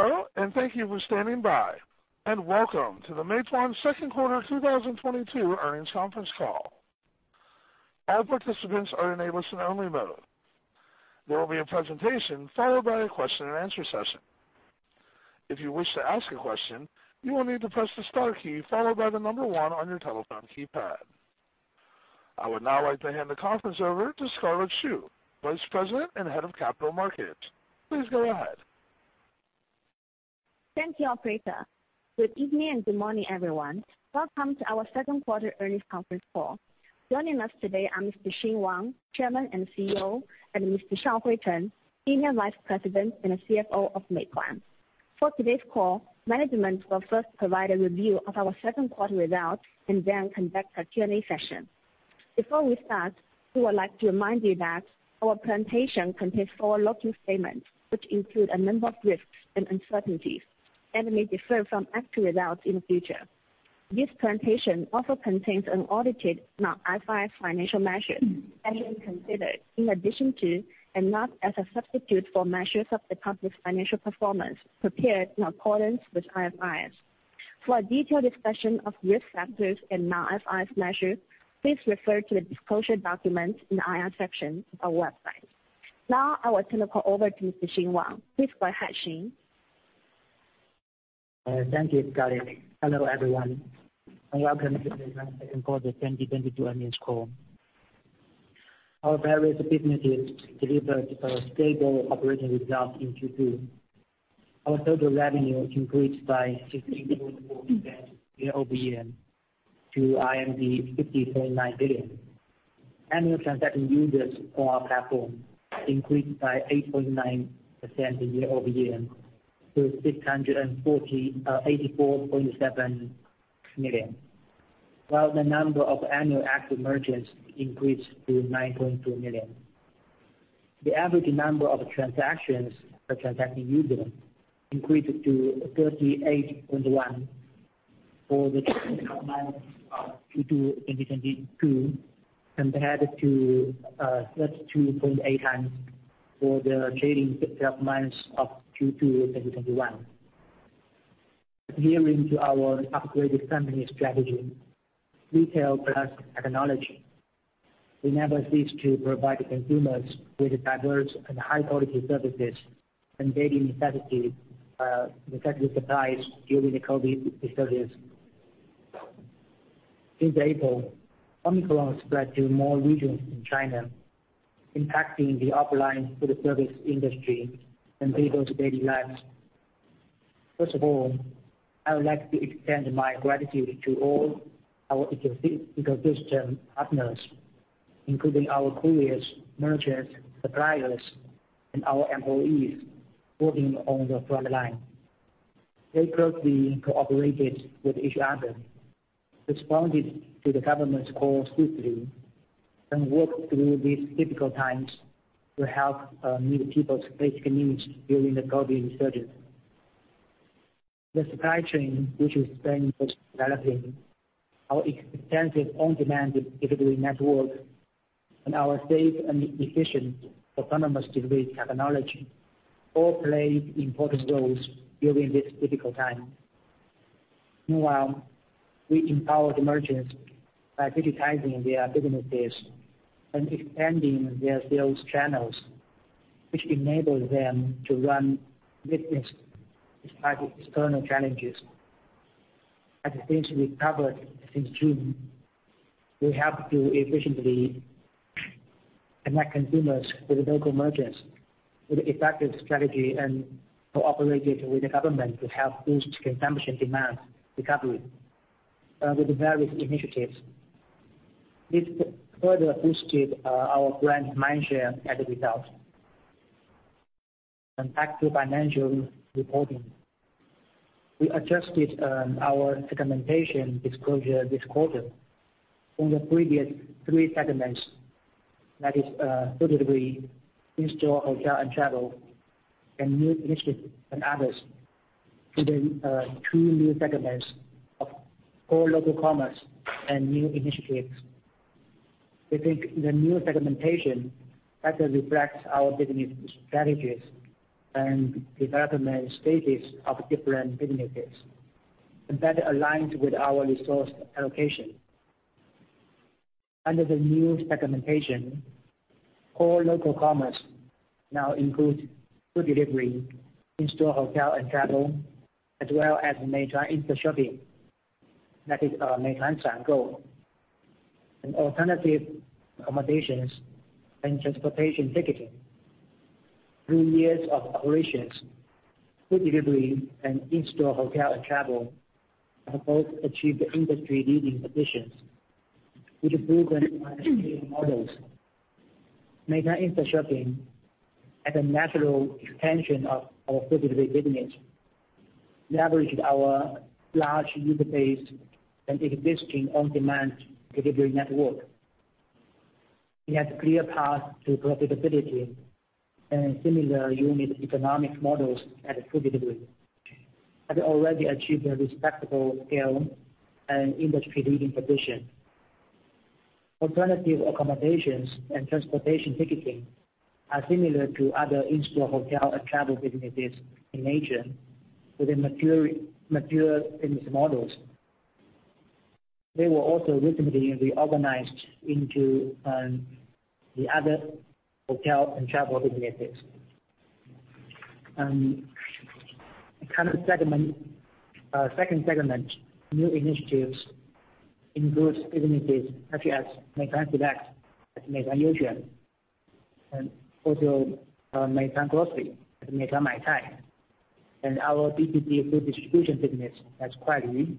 Hello, and thank you for standing by, and welcome to the Meituan Second Quarter 2022 Earnings Conference Call. All participants are in a listen-only mode. There will be a presentation followed by a question-and-answer session. If you wish to ask a question, you will need to press the star key followed by the number one on your telephone keypad. I would now like to hand the conference over to Scarlett Xu, Vice President and Head of Capital Markets. Please go ahead. Thank you, operator. Good evening and good morning, everyone. Welcome to our second quarter earnings conference call. Joining us today are Mr. Xing Wang, Chairman and CEO, and Mr. Shaohui Chen, Senior Vice President and CFO of Meituan. For today's call, management will first provide a review of our second quarter results and then conduct a Q&A session. Before we start, we would like to remind you that our presentation contains forward-looking statements, which include a number of risks and uncertainties and may differ from actual results in the future. This presentation also contains unaudited non-IFRS financial measures that should be considered in addition to and not as a substitute for measures of the company's financial performance prepared in accordance with IFRS. For a detailed discussion of risk factors and non-IFRS measures, please refer to the disclosure documents in the IR section of our website. Now I will turn the call over to Mr. Xing Wang. Please go ahead, Xing. Thank you, Scarlett. Hello, everyone, and welcome to the second quarter 2022 earnings call. Our various businesses delivered a stable operating result in Q2. Our total revenue increased by 16.4% year-over-year to RMB 50.9 billion. Annual transacting users on our platform increased by 8.9% year-over-year to 648.7 million, while the number of annual active merchants increased to 9.2 million. The average number of transactions per transacting user increased to 38.1 for the trailing 12 months of 2022, compared to 32.8x for the trailing 12 months of 2021. Adhering to our upgraded company strategy, retail plus technology, we never cease to provide the consumers with diverse and high-quality services and daily necessities, necessity supplies during the COVID resurgence. Since April, Omicron spread to more regions in China, impacting the offline food service industry and people's daily lives. First of all, I would like to extend my gratitude to all our ecosystem partners, including our couriers, merchants, suppliers, and our employees working on the front line. They closely cooperated with each other, responded to the government's call swiftly, and worked through these difficult times to help meet people's basic needs during the COVID resurgence. The supply chain, which we've been developing, our extensive on-demand delivery network, and our safe and efficient autonomous delivery technology all played important roles during this difficult time. Meanwhile, we empowered merchants by digitizing their businesses and expanding their sales channels, which enabled them to run business despite external challenges. As things recovered since June, we helped to efficiently connect consumers with local merchants with effective strategy and cooperated with the government to help boost consumption demand recovery with various initiatives. This further boosted our brand mindshare as a result. Back to financial reporting. We adjusted our segmentation disclosure this quarter from the previous three segments. That is, food delivery, in-store hotel and travel, and new initiatives and others to the two new segments of core local commerce and new initiatives. We think the new segmentation better reflects our business strategies and development status of different businesses, and better aligns with our resource allocation. Under the new segmentation, core local commerce now includes food delivery, in-store hotel and travel, as well as Meituan Instashopping. That is, Meituan Shangou, and alternative accommodations and transportation ticketing. Through years of operations, food delivery and in-store hotel and travel have both achieved industry-leading positions with proven scale models. Meituan Instashopping, as a natural extension of our food delivery business, leveraged our large user base and existing on-demand delivery network. It has clear path to profitability and similar unit economic models as food delivery, has already achieved a respectable scale and industry-leading position. Alternative accommodations and transportation ticketing are similar to other in-store hotel and travel businesses in nature with a mature business models. They were also recently reorganized into the other hotel and travel businesses. The current segment, second segment, new initiatives includes businesses such as Meituan Select, as Meituan Youxuan, and also, Meituan Grocery, as Meituan Maicai, and our B2B food distribution business as Kuailv,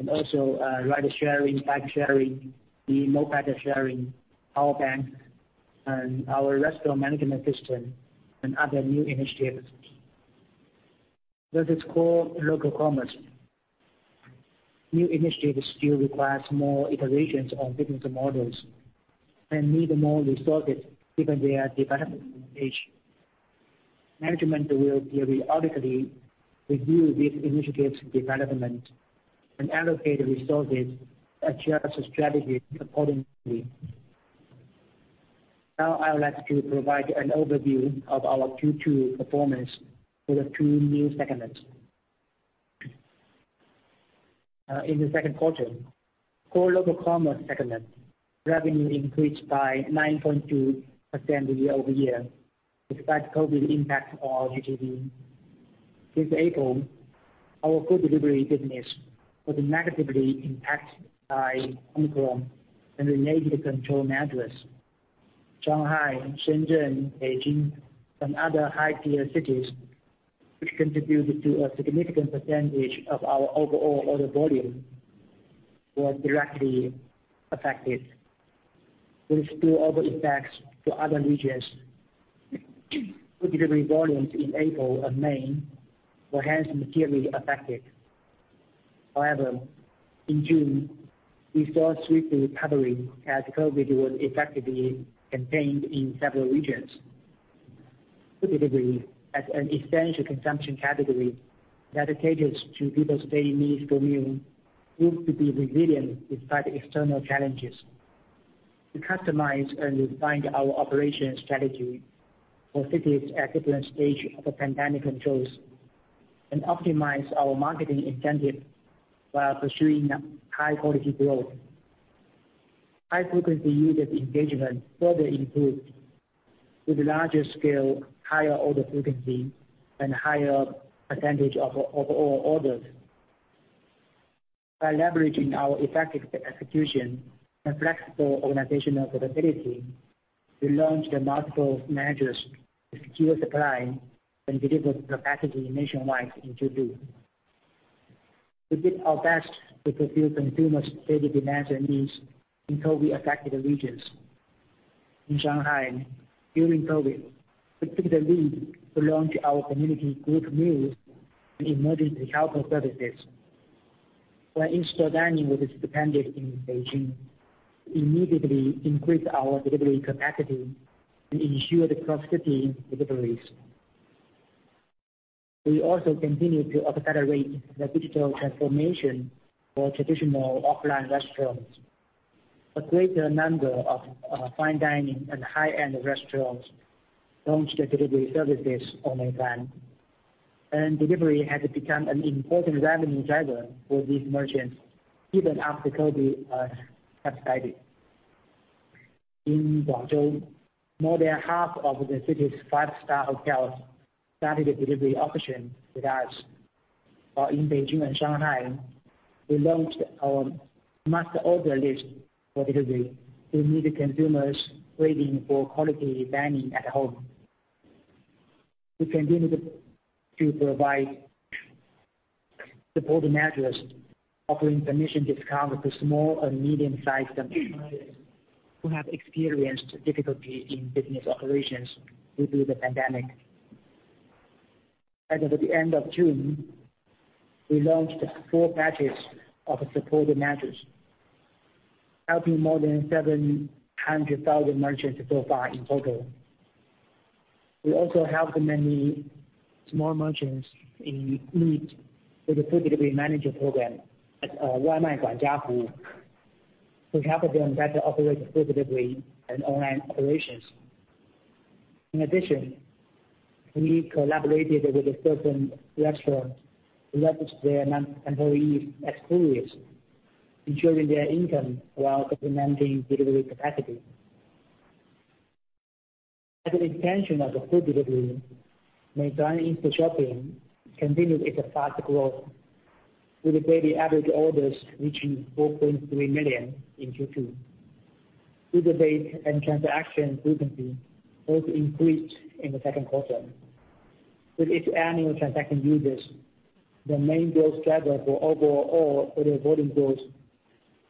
and also, ride sharing, bike sharing, the mopeds sharing, our bank and our restaurant management system and other new initiatives. That is core local commerce. New initiatives still requires more iterations on business models and need more resources given their development stage. Management will periodically review these initiatives development and allocate resources adjust the strategy accordingly. Now I would like to provide an overview of our Q2 performance for the two new segments. In the second quarter, core local commerce segment revenue increased by 9.2% year-over-year despite COVID impact on HPD. Since April, our food delivery business was negatively impacted by Omicron and related control measures. Shanghai, Shenzhen, Beijing, and other high-tier cities, which contributed to a significant percentage of our overall order volume, were directly affected. With spillover effects to other regions, food delivery volumes in April and May were hence materially affected. However, in June, we saw swift recovery as COVID was effectively contained in several regions. Food delivery, as an essential consumption category dedicated to people's daily needs for meal, proved to be resilient despite external challenges. To customize and refine our operation strategy for cities at different stage of the pandemic controls and optimize our marketing incentive while pursuing high-quality growth. High-frequency user engagement further improved with larger scale, higher order frequency, and higher percentage of overall orders. By leveraging our effective execution and flexible organizational adaptability, we launched the multiple measures to secure supply and deliver the packages nationwide in June. We did our best to fulfill consumers' daily demands and needs in COVID-affected regions. In Shanghai, during COVID, we took the lead to launch our community group meals and emergency helper services. When in-store dining was suspended in Beijing, we immediately increased our delivery capacity and ensured cross-city deliveries. We also continued to accelerate the digital transformation for traditional offline restaurants. A greater number of fine dining and high-end restaurants launched their delivery services on Meituan. Delivery has become an important revenue driver for these merchants even after COVID subsided. In Guangzhou, more than half of the city's five-star hotels started a delivery option with us. While in Beijing and Shanghai, we launched our must-order list for delivery to meet the consumers craving for quality dining at home. We continued to provide supporting measures, offering commission discount to small and medium-sized merchants who have experienced difficulty in business operations due to the pandemic. As of the end of June, we launched four batches of supporting measures, helping more than 700,000 merchants so far in total. We also helped many small merchants in need with the food delivery manager program at Waimai Guanjia, to help them better operate food delivery and online operations. In addition, we collaborated with a certain restaurant to leverage their non-employee as couriers, ensuring their income while supplementing delivery capacity. As an extension of the food delivery, Meituan Instashopping continued its fast growth, with the daily average orders reaching 4.3 million in Q2. User base and transaction frequency both increased in the second quarter. With its annual transaction users, the main growth driver for overall order volume growth,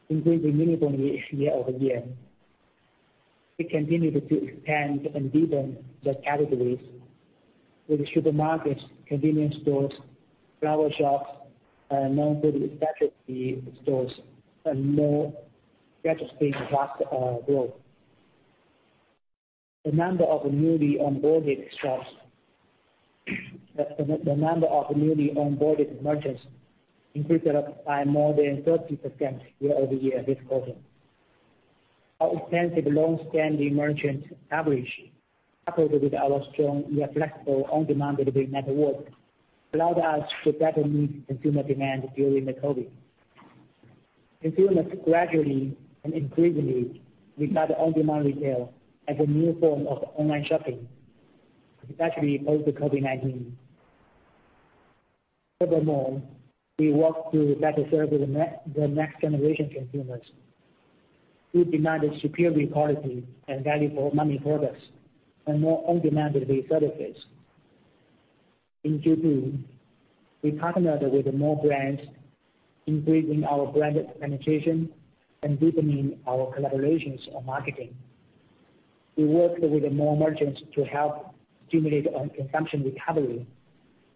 increasing meaningfully year-over-year. We continued to expand and deepen the categories with supermarkets, convenience stores, flower shops, and non-food specialty stores and more registering fast growth. The number of newly onboarded merchants increased by more than 30% year-over-year this quarter. Our extensive long-standing merchant coverage, coupled with our strong yet flexible on-demand delivery network, allowed us to better meet consumer demand during the COVID. Consumers gradually and increasingly regard on-demand retail as a new form of online shopping, especially post the COVID-19. Furthermore, we work to better serve the next generation consumers who demanded superior quality and value for money products and more on-demand delivery services. In Q2, we partnered with more brands, increasing our brand penetration and deepening our collaborations on marketing. We worked with more merchants to help stimulate consumption recovery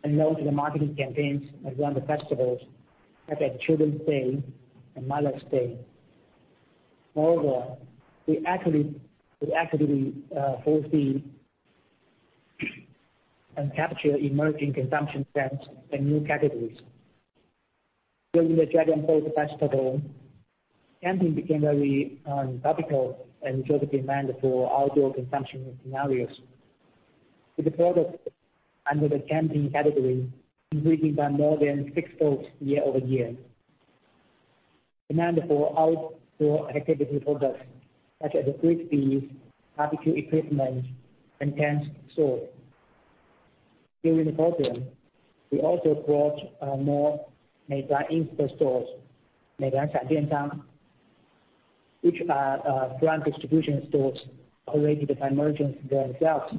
and launched the marketing campaigns around the festivals such as Children's Day and Mother's Day. Moreover, we actively foresee and capture emerging consumption trends and new categories. During the Dragon Boat Festival, camping became very topical and drove demand for outdoor consumption scenarios. With the product under the camping category increasing by more than sixfold year-over-year. Demand for outdoor activity products such as the grills, skis, barbecue equipment, and tents soared. During the quarter, we also brought more Meituan Insta-stores, which are brand distribution stores operated by merchants themselves.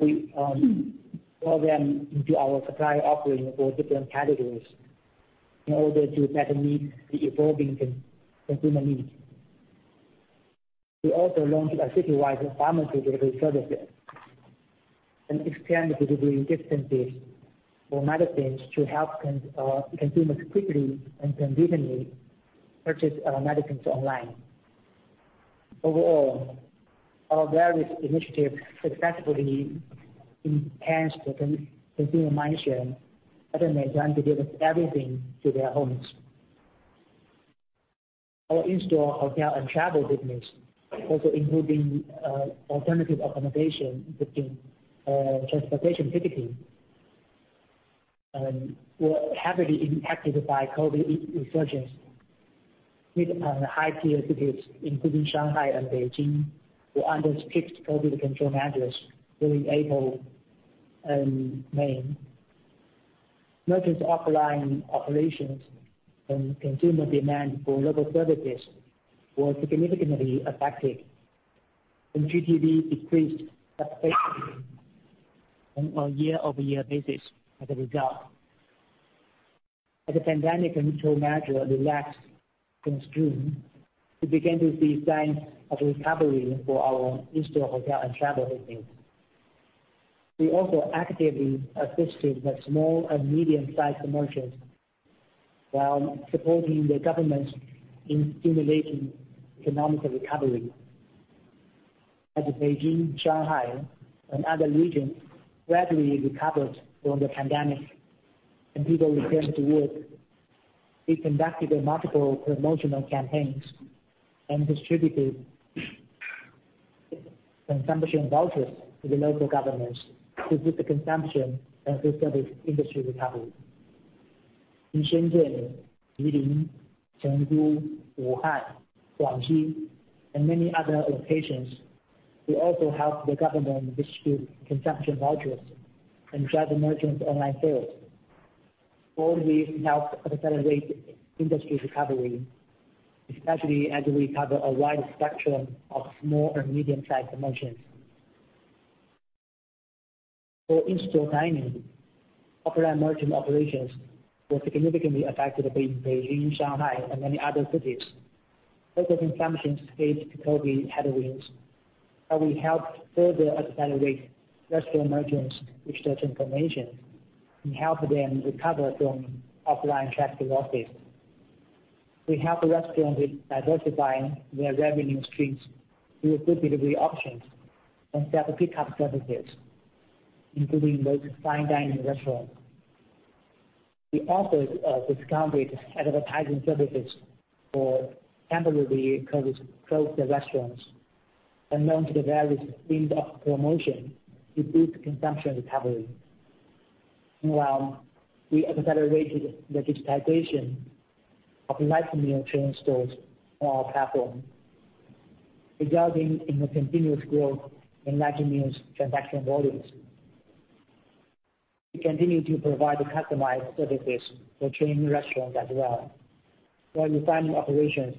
We call them into our supply offering for different categories in order to better meet the evolving consumer needs. We also launched a city-wide pharmacy delivery service and expanded delivery distances for medicines to help consumers quickly and conveniently purchase medicines online. Overall, our various initiatives successfully enhanced the consumer mindshare that Meituan delivers everything to their homes. Our in-store hotel and travel business, also including alternative accommodation booking, transportation ticketing, were heavily impacted by COVID resurgence in high-tier cities, including Shanghai and Beijing, who undertook strict COVID control measures during April and May. Merchants' offline operations and consumer demand for local services were significantly affected, and GTV decreased substantially on a year-over-year basis as a result. As the pandemic control measure relaxed since June, we began to see signs of recovery for our in-store hotel and travel business. We also actively assisted the small and medium-sized merchants while supporting the government in stimulating economic recovery. As Beijing, Shanghai and other regions gradually recovered from the pandemic and people returned to work, we conducted multiple promotional campaigns and distributed consumption vouchers to the local governments to boost the consumption and service industry recovery. In Shenzhen, Guilin, Chengdu, Wuhan, Guangxi and many other locations, we also helped the government distribute consumption vouchers and drive the merchants' online sales. All these helped accelerate industry's recovery, especially as we cover a wide spectrum of small and medium-sized merchants. For in-store dining, offline merchant operations were significantly affected in Beijing, Shanghai and many other cities. Local consumption faced COVID headwinds, but we helped further accelerate restaurant merchants' digital transformation and helped them recover from offline traffic losses. We helped restaurants with diversifying their revenue streams through food delivery options and self-pickup services, including those fine dining restaurants. We offered discounted advertising services for temporarily closed restaurants and launched the various themed promotions to boost consumption recovery. Meanwhile, we accelerated the digitization of light meal chain stores on our platform, resulting in a continuous growth in light meals transaction volumes. We continue to provide customized services for chain restaurants as well, while refining operations,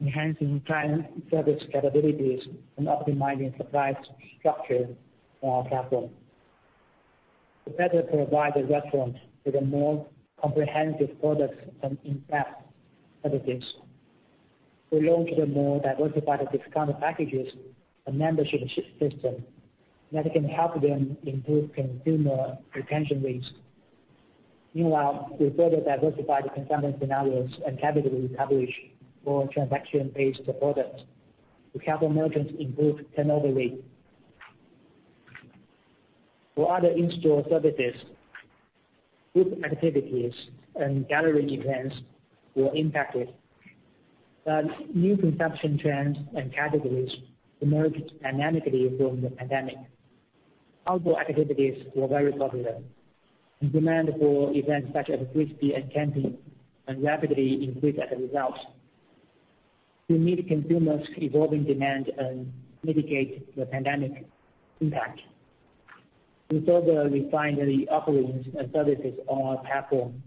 enhancing client service capabilities, and optimizing supply structure on our platform. To better provide the restaurants with a more comprehensive products and in-depth services, we launched the more diversified discounted packages and membership system that can help them improve consumer retention rates. Meanwhile, we further diversify the consumption scenarios and category coverage for transaction-based products to help merchants improve turnover rate. For other in-store services, group activities and gathering events were impacted. New consumption trends and categories emerged dynamically from the pandemic. Outdoor activities were very popular, and demand for events such as whiskey and camping have rapidly increased as a result. To meet consumers' evolving demand and mitigate the pandemic impact, we further refine the offerings and services on our platform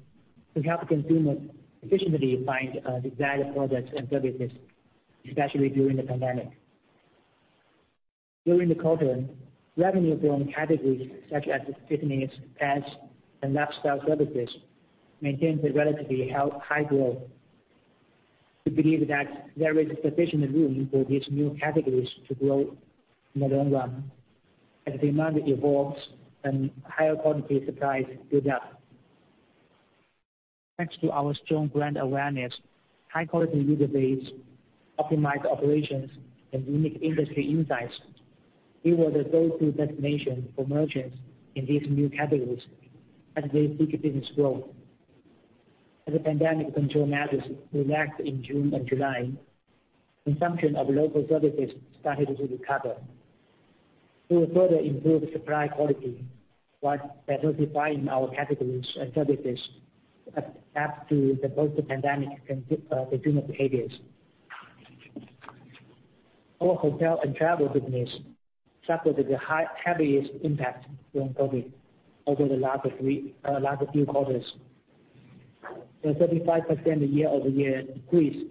to help consumers efficiently find desired products and services, especially during the pandemic. During the quarter, revenue from categories such as fitness, pets, and lifestyle services maintained a relatively high growth. We believe that there is sufficient room for these new categories to grow in the long run as demand evolves and higher quality supplies build up. Thanks to our strong brand awareness, high-quality user base, optimized operations, and unique industry insights, we were the go-to destination for merchants in these new categories as they seek business growth. As the pandemic control measures relaxed in June and July, consumption of local services started to recover. We will further improve supply quality while diversifying our categories and services adapt to the post-pandemic consumer behaviors. Our hotel and travel business suffered the heaviest impact from COVID over the last few quarters. The 35% year-over-year decrease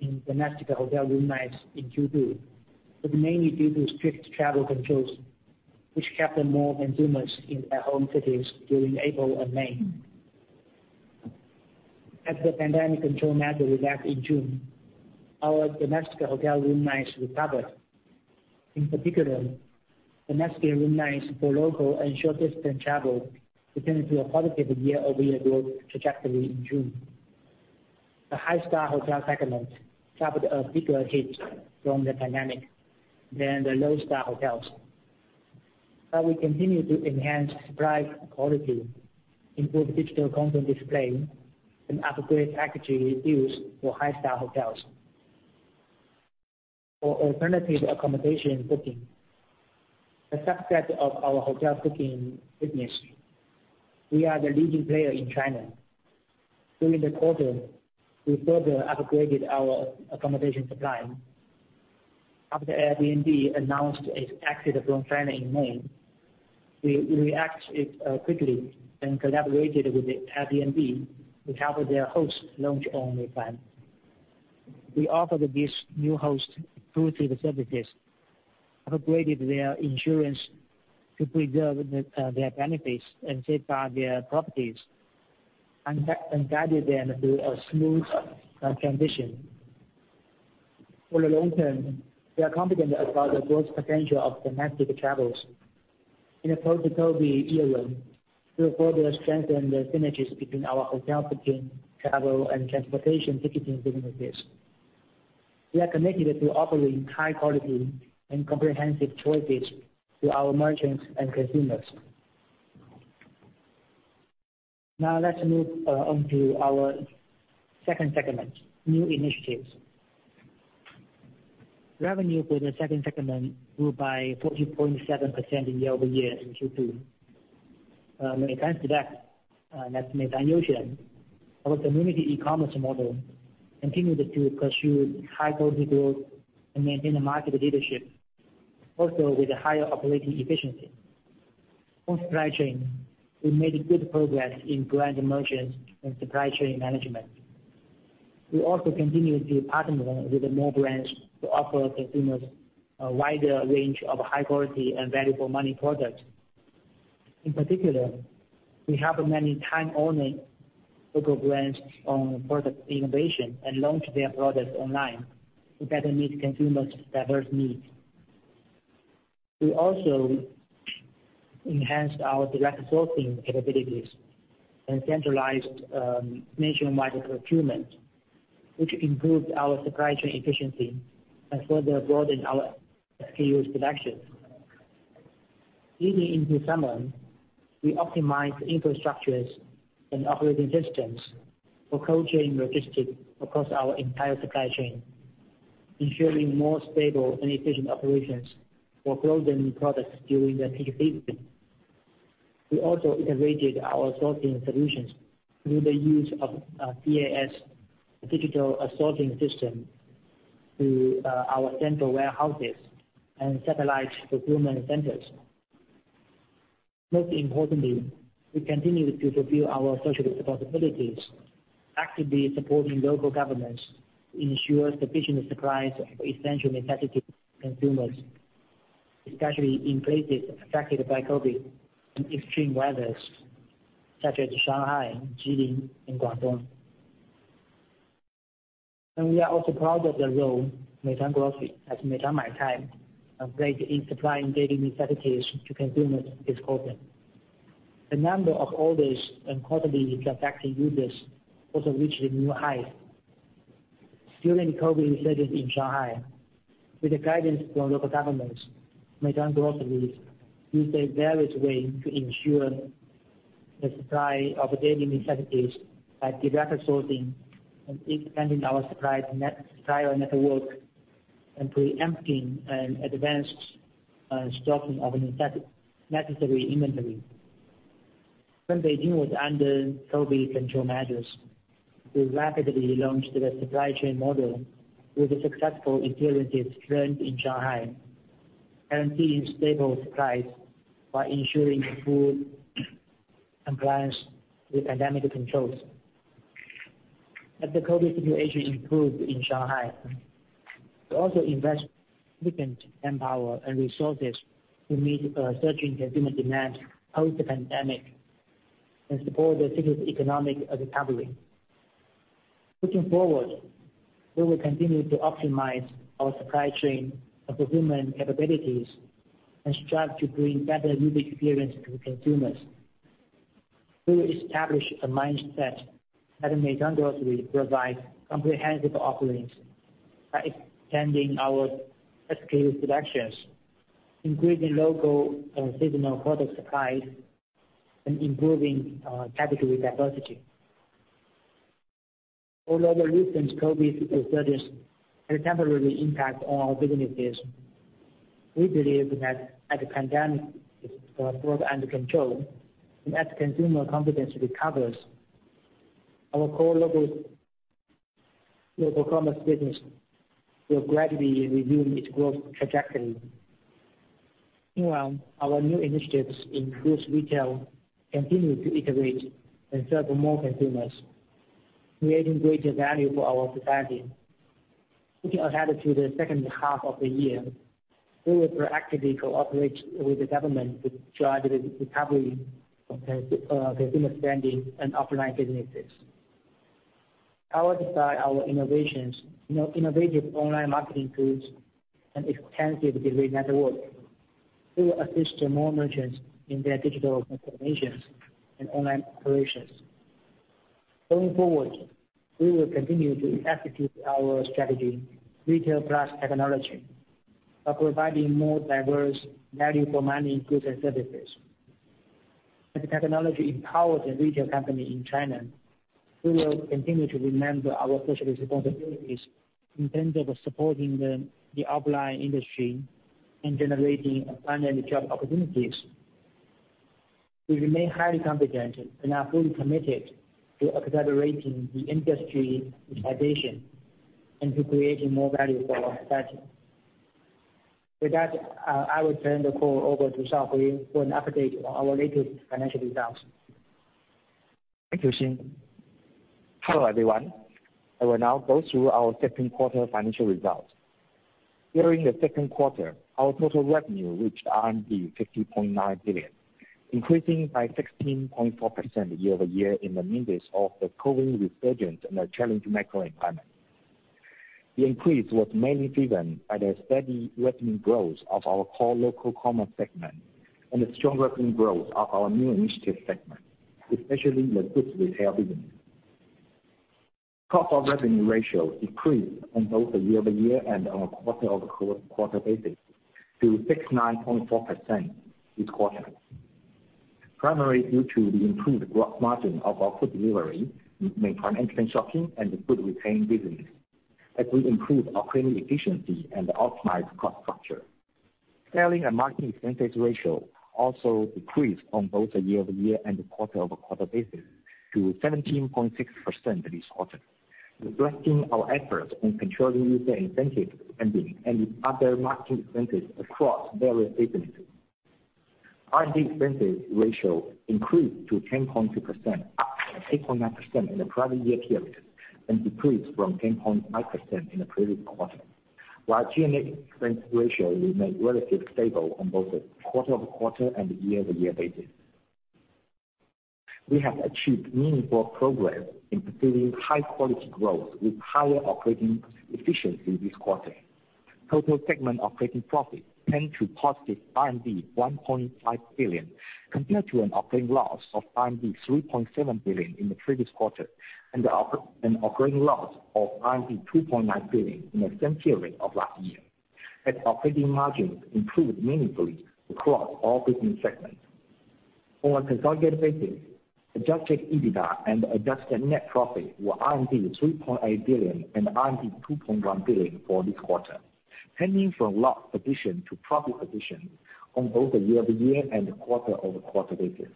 in domestic hotel room nights in Q2 was mainly due to strict travel controls, which kept more consumers in their home cities during April and May. As the pandemic control measure relaxed in June, our domestic hotel room nights recovered. In particular, domestic room nights for local and short-distance travel returned to a positive year-over-year growth trajectory in June. The high-star hotel segment suffered a bigger hit from the pandemic than the low-star hotels. We continue to enhance supply quality, improve digital content display, and upgrade package deals for high-star hotels. For alternative accommodation booking, a subset of our hotel booking business, we are the leading player in China. During the quarter, we further upgraded our accommodation supply. After Airbnb announced its exit from China in May, we acted quickly and collaborated with Airbnb to cover their host launch-only plan. We offered these new hosts full services, upgraded their insurance to preserve their benefits and safeguard their properties, and guided them through a smooth transition. For the long term, we are confident about the growth potential of domestic travels. In a post-COVID era, we will further strengthen the synergies between our hotel booking, travel, and transportation ticketing businesses. We are committed to offering high quality and comprehensive choices to our merchants and consumers. Now let's move onto our second segment, new initiatives. Revenue for the second segment grew by 40.7% year-over-year in Q2. Thanks to that's Meituan Youxuan. Our community e-commerce model continued to pursue high-quality growth and maintain the market leadership, also with a higher operating efficiency. On supply chain, we made good progress in brand merchants and supply chain management. We also continue to partner with more brands to offer consumers a wider range of high-quality value-for-money products. In particular, we have many timely local brands on product innovation and launch their products online to better meet consumers' diverse needs. We also enhanced our direct sourcing capabilities and centralized nationwide procurement, which improved our supply chain efficiency and further broadened our SKUs selection. Leading into summer, we optimized infrastructures and operating systems for cold chain logistics across our entire supply chain, ensuring more stable and efficient operations for frozen products during the peak season. We also integrated our sourcing solutions through the use of DAS, digital assorting system, to our central warehouses and satellite procurement centers. Most importantly, we continue to fulfill our social responsibilities, actively supporting local governments to ensure sufficient supplies of essential necessities to consumers, especially in places affected by COVID and extreme weather, such as Shanghai, Jilin, and Guangdong. We are also proud of the role Meituan Grocery has played in many times and places in supplying daily necessities to consumers this quarter. The number of orders and quarterly transacting users also reached a new height. During COVID resurgence in Shanghai, with the guidance from local governments, Meituan Grocery used various ways to ensure the supply of daily necessities by direct sourcing and expanding our supply network supplier network and preempting an advance stocking of necessary inventory. When Beijing was under COVID control measures, we rapidly launched the supply chain model with the successful experiences learned in Shanghai, guaranteeing stable supplies while ensuring full compliance with pandemic controls. As the COVID situation improved in Shanghai, we also invest significant manpower and resources to meet surging consumer demand post the pandemic and support the city's economic recovery. Looking forward, we will continue to optimize our supply chain and the human capabilities and strive to bring better user experience to consumers. We will establish a mindset that Meituan Grocery provides comprehensive offerings by extending our SKUs selections, increasing local and seasonal product supplies, and improving category diversity. Although the recent COVID resurgence has temporarily impact on our businesses, we believe that as the pandemic is brought under control and as consumer confidence recovers, our core local commerce business will gradually resume its growth trajectory. Meanwhile, our new initiatives in goods retail continue to iterate and serve more consumers, creating greater value for our society. Looking ahead to the second half of the year, we will proactively cooperate with the government to drive the recovery of the consumer spending and offline businesses. Powered by our innovations, innovative online marketing tools and extensive delivery network, we will assist more merchants in their digital transformations and online operations. Going forward, we will continue to execute our strategy, retail plus technology, by providing more diverse value for money, goods and services. As a technology-empowered retail company in China, we will continue to remember our social responsibilities in terms of supporting the offline industry and generating abundant job opportunities. We remain highly confident and are fully committed to accelerating the industry digitization into creating more value for our society. With that, I will turn the call over to Shaohui for an update on our latest financial results. Thank you, Xing. Hello, everyone. I will now go through our second quarter financial results. During the second quarter, our total revenue reached RMB 50.9 billion, increasing by 16.4% year-over-year in the midst of the COVID resurgence and a challenging macro environment. The increase was mainly driven by the steady revenue growth of our core local commerce segment and the strong revenue growth of our new initiative segment, especially the goods retail business. Cost of revenue ratio decreased on both a year-over-year and on a quarter-over-quarter basis to 69.4% this quarter, primarily due to the improved gross margin of our food delivery, Meituan Instashopping, and the food retailing business that we improved operating efficiency and optimized cost structure. Selling and marketing expenses ratio also decreased on both a year-over-year and a quarter-over-quarter basis to 17.6% this quarter, reflecting our efforts in controlling user incentive spending and other marketing expenses across various businesses. R&D expenses ratio increased to 10.2% from 8.9% in the prior year period and decreased from 10.9% in the previous quarter. While G&A expense ratio remained relatively stable on both a quarter-over-quarter and year-over-year basis. We have achieved meaningful progress in pursuing high-quality growth with higher operating efficiency this quarter. Total segment operating profit turned to positive RMB 1.5 billion compared to an operating loss of RMB 3.7 billion in the previous quarter and an operating loss of RMB 2.9 billion in the same period of last year. Operating margins improved meaningfully across all business segments. On a consolidated basis, Adjusted EBITDA and adjusted net profit were 3.8 billion and 2.1 billion for this quarter, turning from loss position to profit position on both a year-over-year and quarter-over-quarter basis.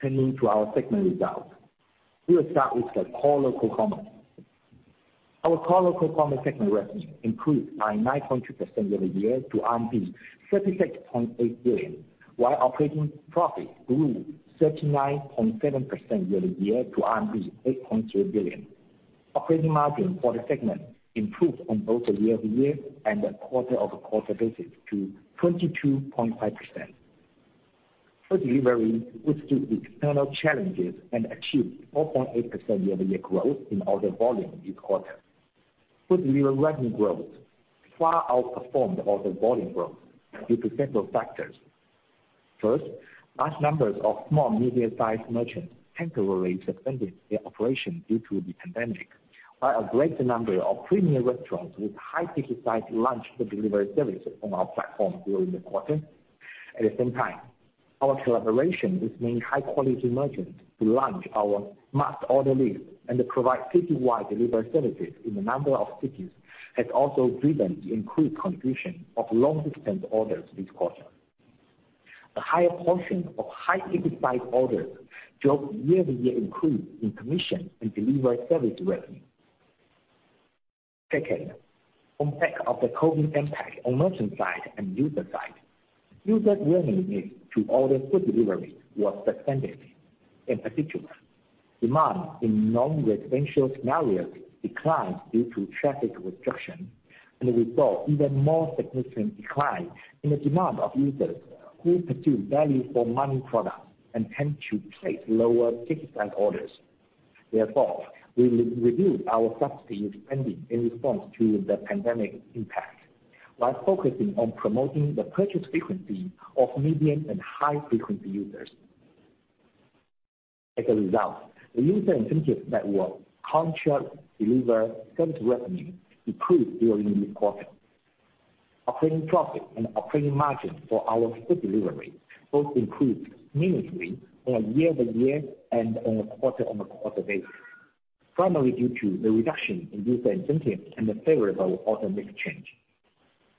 Turning to our segment results. We will start with the core local commerce. Our core local commerce segment revenue improved by 9.2% year-over-year to RMB 36.8 billion, while operating profit grew 39.7% year-over-year to RMB 8.0 billion. Operating margin for the segment improved on both a year-over-year and a quarter-over-quarter basis to 22.5%. Food delivery withstood external challenges and achieved 4.8% year-over-year growth in order volume this quarter. Food delivery revenue growth far outperformed order volume growth due to several factors. First, large numbers of small and medium-sized merchants temporarily suspended their operation due to the pandemic, while a greater number of premium restaurants with high ticket size launched the delivery service on our platform during the quarter. At the same time, our collaboration with many high-quality merchants to launch our Must Order list and to provide citywide delivery services in a number of cities has also driven the improved contribution of long-distance orders this quarter. The higher portion of high ticket size orders drove year-on-year improvement in commission and delivery service revenue. Second, on the back of the COVID impact on merchant side and user side, user willingness to order food delivery was suppressed. In particular, demand in non-residential scenarios declined due to traffic restriction, and we saw even more significant decline in the demand of users who pursue value for money product and tend to place lower ticket size orders. Therefore, we re-reduced our subsidy spending in response to the pandemic impact by focusing on promoting the purchase frequency of medium and high-frequency users. As a result, the user incentive network contract delivery service revenue improved during this quarter. Operating profit and operating margin for our food delivery both improved meaningfully on a year-over-year and on a quarter-on-quarter basis, primarily due to the reduction in user incentive and the favorable order mix change.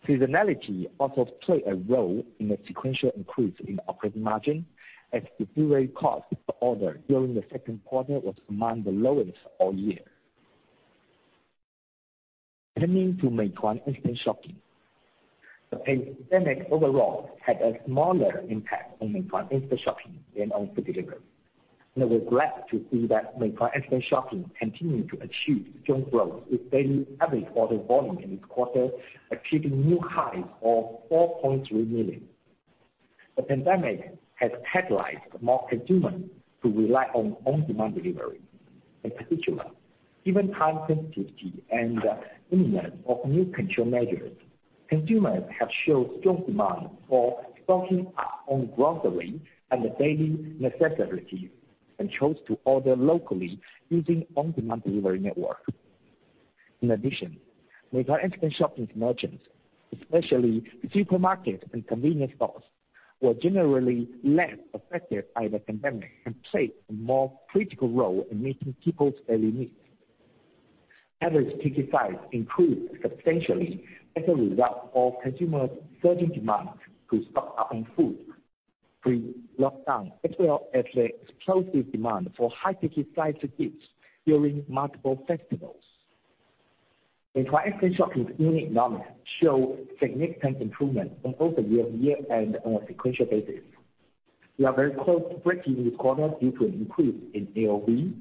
Seasonality also played a role in the sequential increase in operating margin, as delivery cost per order during the second quarter was among the lowest all year. Turning to Meituan Instashopping. The pandemic overall had a smaller impact on Meituan Instashopping than on food delivery. We're glad to see that Meituan Instashopping continued to achieve strong growth with daily average order volume in this quarter achieving new highs of 4.3 million. The pandemic has catalyzed more consumers to rely on on-demand delivery. In particular, given time sensitivity and the imminence of new control measures, consumers have showed strong demand for stocking up on grocery and daily necessities, and chose to order locally using on-demand delivery network. In addition, Meituan Instashopping merchants, especially supermarket and convenience stores, were generally less affected by the pandemic and played a more critical role in meeting people's daily needs. Average ticket size improved substantially as a result of consumers' surging demand to stock up on food pre-lockdown, as well as the explosive demand for high ticket size gifts during multiple festivals. Meituan Instashopping's unit economics show significant improvement on both a year-over-year and on a sequential basis. We are very cost-efficient this quarter due to an increase in AOV,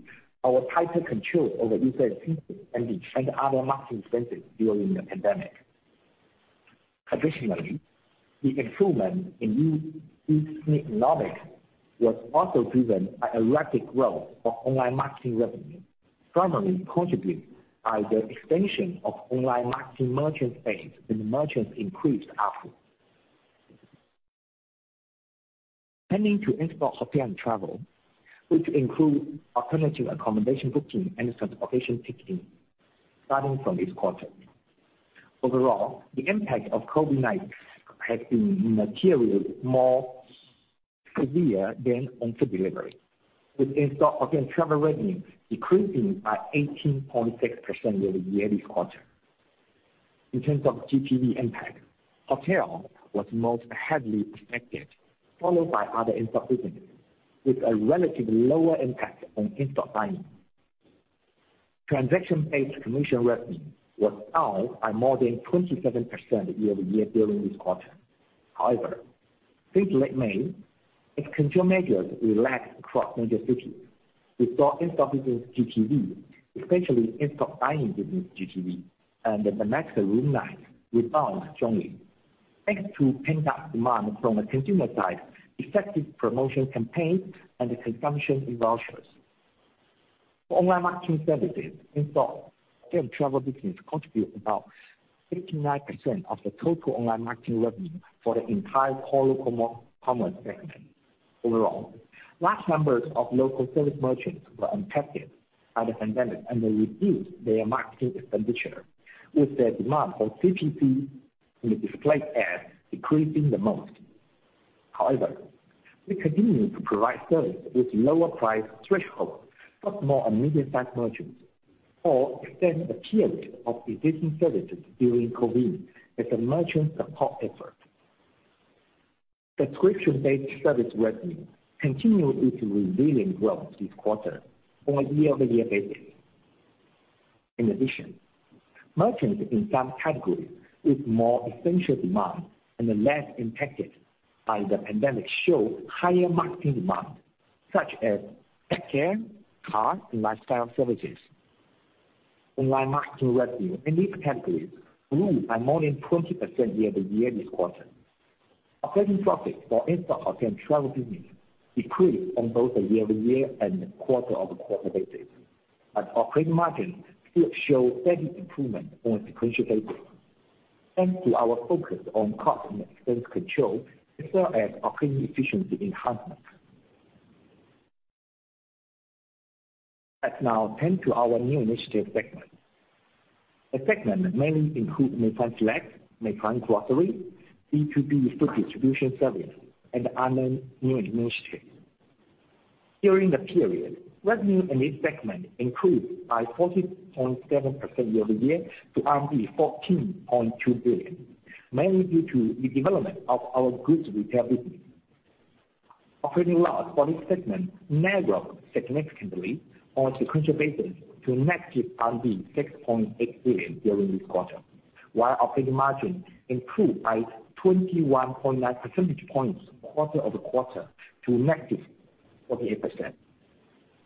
our tighter control over user incentive and other marketing expenses during the pandemic. Additionally, the improvement in unit economics was also driven by a rapid growth of online marketing revenue, primarily contributed by the expansion of online marketing merchant base and the merchants' increased ARPU. Turning to Insta Hotel & Travel, which include alternative accommodation booking and transportation ticketing starting from this quarter. Overall, the impact of COVID-19 has been materially more severe than on food delivery, with Insta Hotel & Travel revenue decreasing by 18.6% year-over-year this quarter. In terms of GTV impact, hotel was most heavily affected, followed by other in-store business, with a relatively lower impact on in-store dining. Transaction-based commission revenue was down by more than 27% year-over-year during this quarter. However, since late May, as control measures relaxed across major cities, we saw in-store business GTV, especially in-store dining business GTV and the domestic room night rebound strongly, thanks to pent-up demand from the consumer side, effective promotion campaigns, and the consumption in vouchers. For online marketing services, Insta Hotel & Travel business contribute about 69% of the total online marketing revenue for the entire core local commerce segment. Overall, large numbers of local service merchants were impacted by the pandemic, and they reduced their marketing expenditure with their demand for CPC and the display ads decreasing the most. However, we continue to provide service with lower price threshold for small and medium-sized merchants, or extend the period of existing services during COVID as a merchant support effort. Subscription-based service revenue continued its resilient growth this quarter on a year-over-year basis. In addition, merchants in some categories with more essential demand and are less impacted by the pandemic show higher marketing demand, such as pet care, car, and lifestyle services. Online marketing revenue in these categories grew by more than 20% year-over-year this quarter. Operating profit for instant hotel and travel business decreased on both a year-over-year and quarter-over-quarter basis. As operating margin still show steady improvement on a sequential basis, thanks to our focus on cost and expense control, as well as operating efficiency enhancement. Let's now turn to our new initiative segment. The segment mainly include Meituan Select, Meituan Grocery, B2B food distribution service, and other new initiatives. During the period, revenue in this segment improved by 40.7% year-over-year to RMB 14.2 billion, mainly due to the development of our goods retail business. Operating loss for this segment narrowed significantly on a sequential basis to negative 6.8 billion during this quarter, while operating margin improved by 21.9 percentage points quarter-over-quarter to -48%,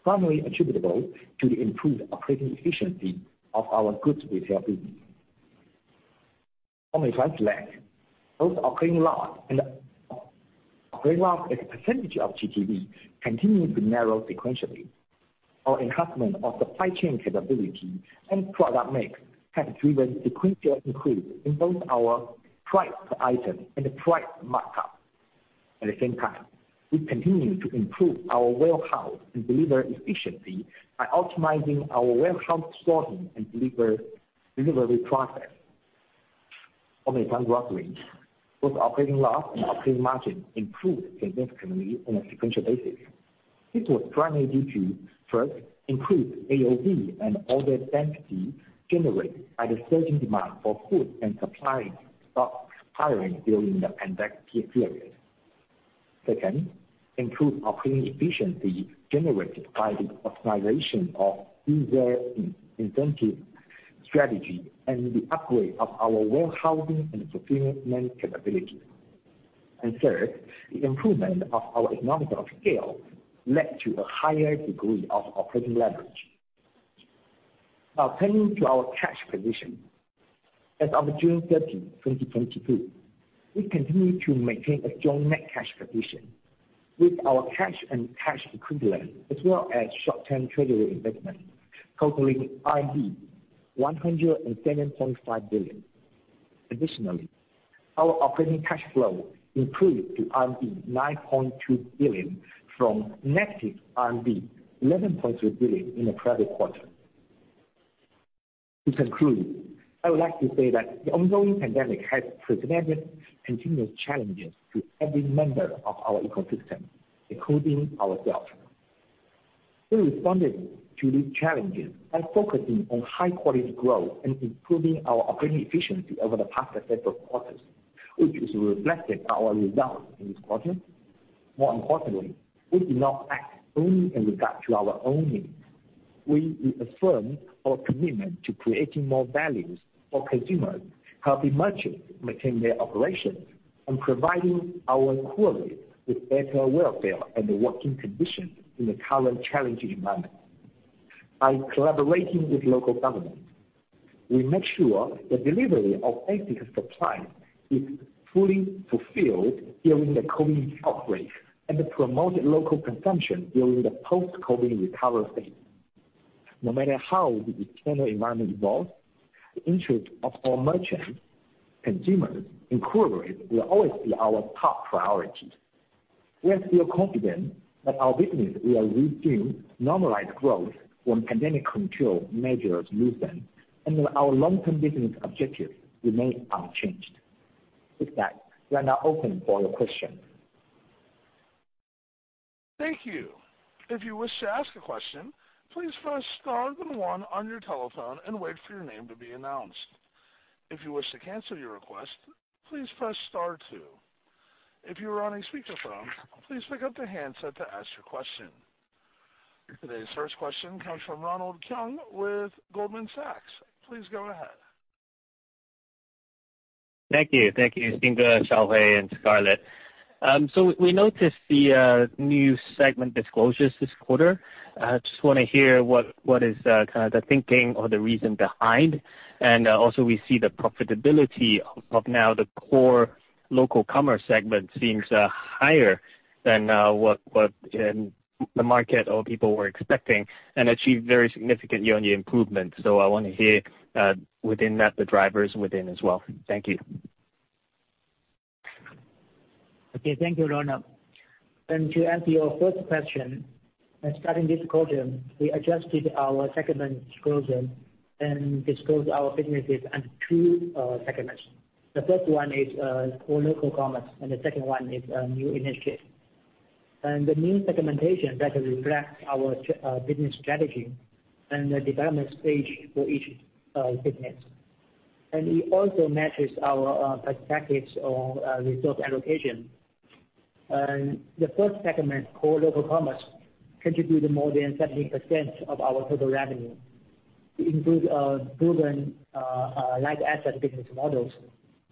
primarily attributable to the improved operating efficiency of our goods retail business. On Meituan Select, both operating loss and operating loss as a percentage of GTV continued to narrow sequentially. Our enhancement of supply chain capability and product mix has driven sequential increase in both our price per item and the price markup. At the same time, we continue to improve our warehouse and delivery efficiency by optimizing our warehouse sorting and delivery process. On Meituan Grocery, both operating loss and operating margin improved significantly on a sequential basis. This was primarily due to, first, improved AOV and order density generated by the surging demand for food and supplies stock piling during the pandemic period. Second, improved operating efficiency generated by the optimization of user incentive strategy and the upgrade of our warehousing and fulfillment capability. Third, the improvement of our economics of scale led to a higher degree of operating leverage. Now turning to our cash position. As of June 30, 2022, we continue to maintain a strong net cash position with our cash and cash equivalent, as well as short-term treasury investment totaling 107.5 billion. Additionally, our operating cash flow improved to 9.2 billion from negative 11.3 billion in the prior quarter. To conclude, I would like to say that the ongoing pandemic has presented continuous challenges to every member of our ecosystem, including ourselves. We responded to these challenges by focusing on high quality growth and improving our operating efficiency over the past several quarters, which is reflected in our results in this quarter. More importantly, we did not act only in regard to our own needs. We reaffirmed our commitment to creating more values for consumers, helping merchants maintain their operations, and providing our employees with better welfare and working conditions in the current challenging environment. By collaborating with local government, we make sure the delivery of basic supplies is fully fulfilled during the COVID outbreak and to promote local consumption during the post-COVID recovery phase. No matter how the external environment evolves, the interest of our merchants, consumers, and corporate will always be our top priority. We are still confident that our business will resume normalized growth when pandemic control measures loosen, and our long-term business objectives remain unchanged. With that, we are now open for your questions. Thank you. If you wish to ask a question, please press star then one on your telephone and wait for your name to be announced. If you wish to cancel your request, please press star two. If you are on a speakerphone, please pick up the handset to ask your question. Today's first question comes from Ronald Keung with Goldman Sachs. Please go ahead. Thank you. Thank you, Xing, Shaohui, and Scarlett. We noticed the new segment disclosures this quarter. I just wanna hear what is kind of the thinking or the reason behind. We see the profitability of now the core local commerce segment seems higher than what the market or people were expecting and achieved very significant year-on-year improvement. I wanna hear within that, the drivers within as well. Thank you. Okay, thank you, Ronald. To answer your first question, starting this quarter, we adjusted our segment disclosure and disclose our businesses under two segments. The first one is core local commerce, and the second one is new initiatives. The new segmentation better reflects our business strategy and the development stage for each business. It also matches our perspectives on resource allocation. The first segment, core local commerce, contributed more than 70% of our total revenue. It includes proven light asset business models,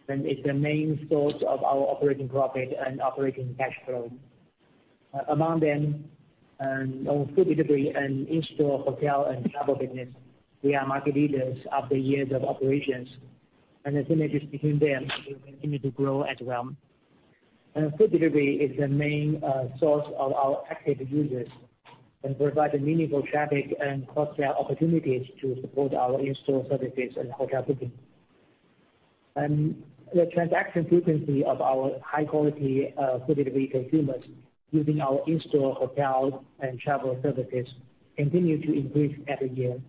and it's the main source of our operating profit and operating cash flow. Among them, on food delivery and in-store hotel and travel business, we are market leaders after years of operations, and the synergies between them will continue to grow as well. Food delivery is the main source of our active users and provide a meaningful traffic and cross-sell opportunities to support our in-store services and hotel booking. The transaction frequency of our high quality food delivery consumers using our in-store hotel and travel services continue to increase every year.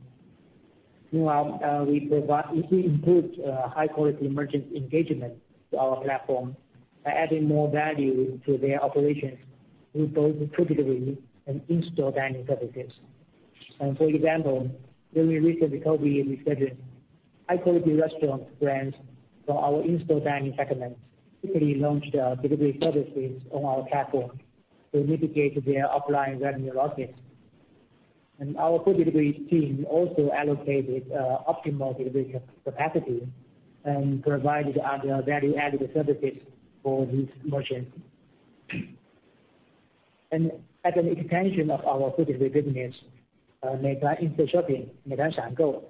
Meanwhile, we provide easily improved high quality merchant engagement to our platform by adding more value to their operations with both the food delivery and in-store dining services. For example, during the recent recovery and resurgence, high quality restaurant brands from our in-store dining segment quickly launched delivery services on our platform to mitigate their offline revenue losses. Our food delivery team also allocated optimal delivery capacity and provided other value added services for these merchants. As an extension of our food delivery business, Meituan Instashopping, Meituan Shangou,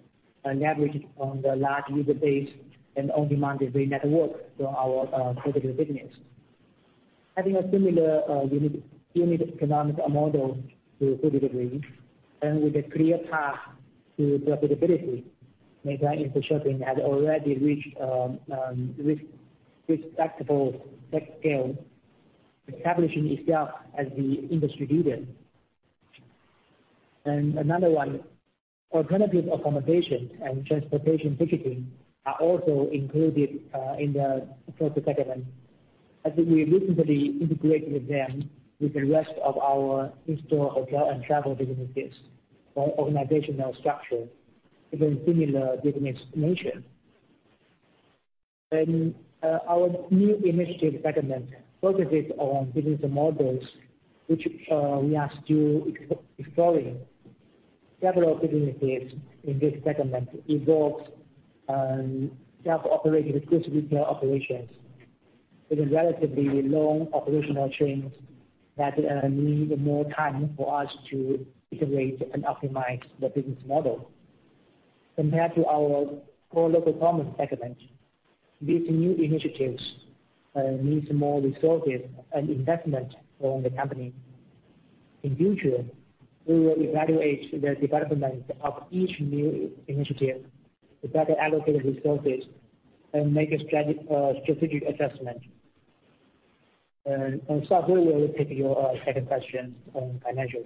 leveraged on the large user base and on-demand delivery network from our food delivery business. Having a similar unique economic model to food delivery and with a clear path to profitability, Meituan Instashopping has already reached respectable tech scale, establishing itself as the industry leader. Another one, alternative accommodation and transportation ticketing are also included in the service segment, as we recently integrated them with the rest of our in-store hotel and travel businesses for organizational structure, given similar business nature. Our new initiatives segment focuses on business models which we are still exploring. Several businesses in this segment involves self-operated goods retail operations with a relatively long operational chains that need more time for us to iterate and optimize the business model. Compared to our core local commerce segment, these new initiatives needs more resources and investment from the company. In future, we will evaluate the development of each new initiative to better allocate resources and make a strategic assessment. Shaohui will take your second questions on financial.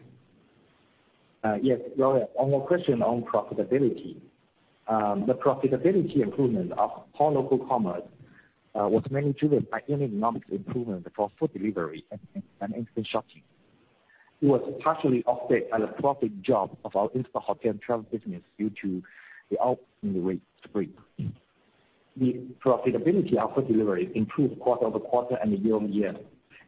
On your question on profitability. The profitability improvement of core local commerce was mainly driven by economic improvement for food delivery and Instashopping. It was partially offset by the profit drop of our in-store hotel and travel business due to the outbreak in the spring. The profitability of food delivery improved quarter-over-quarter and year-over-year.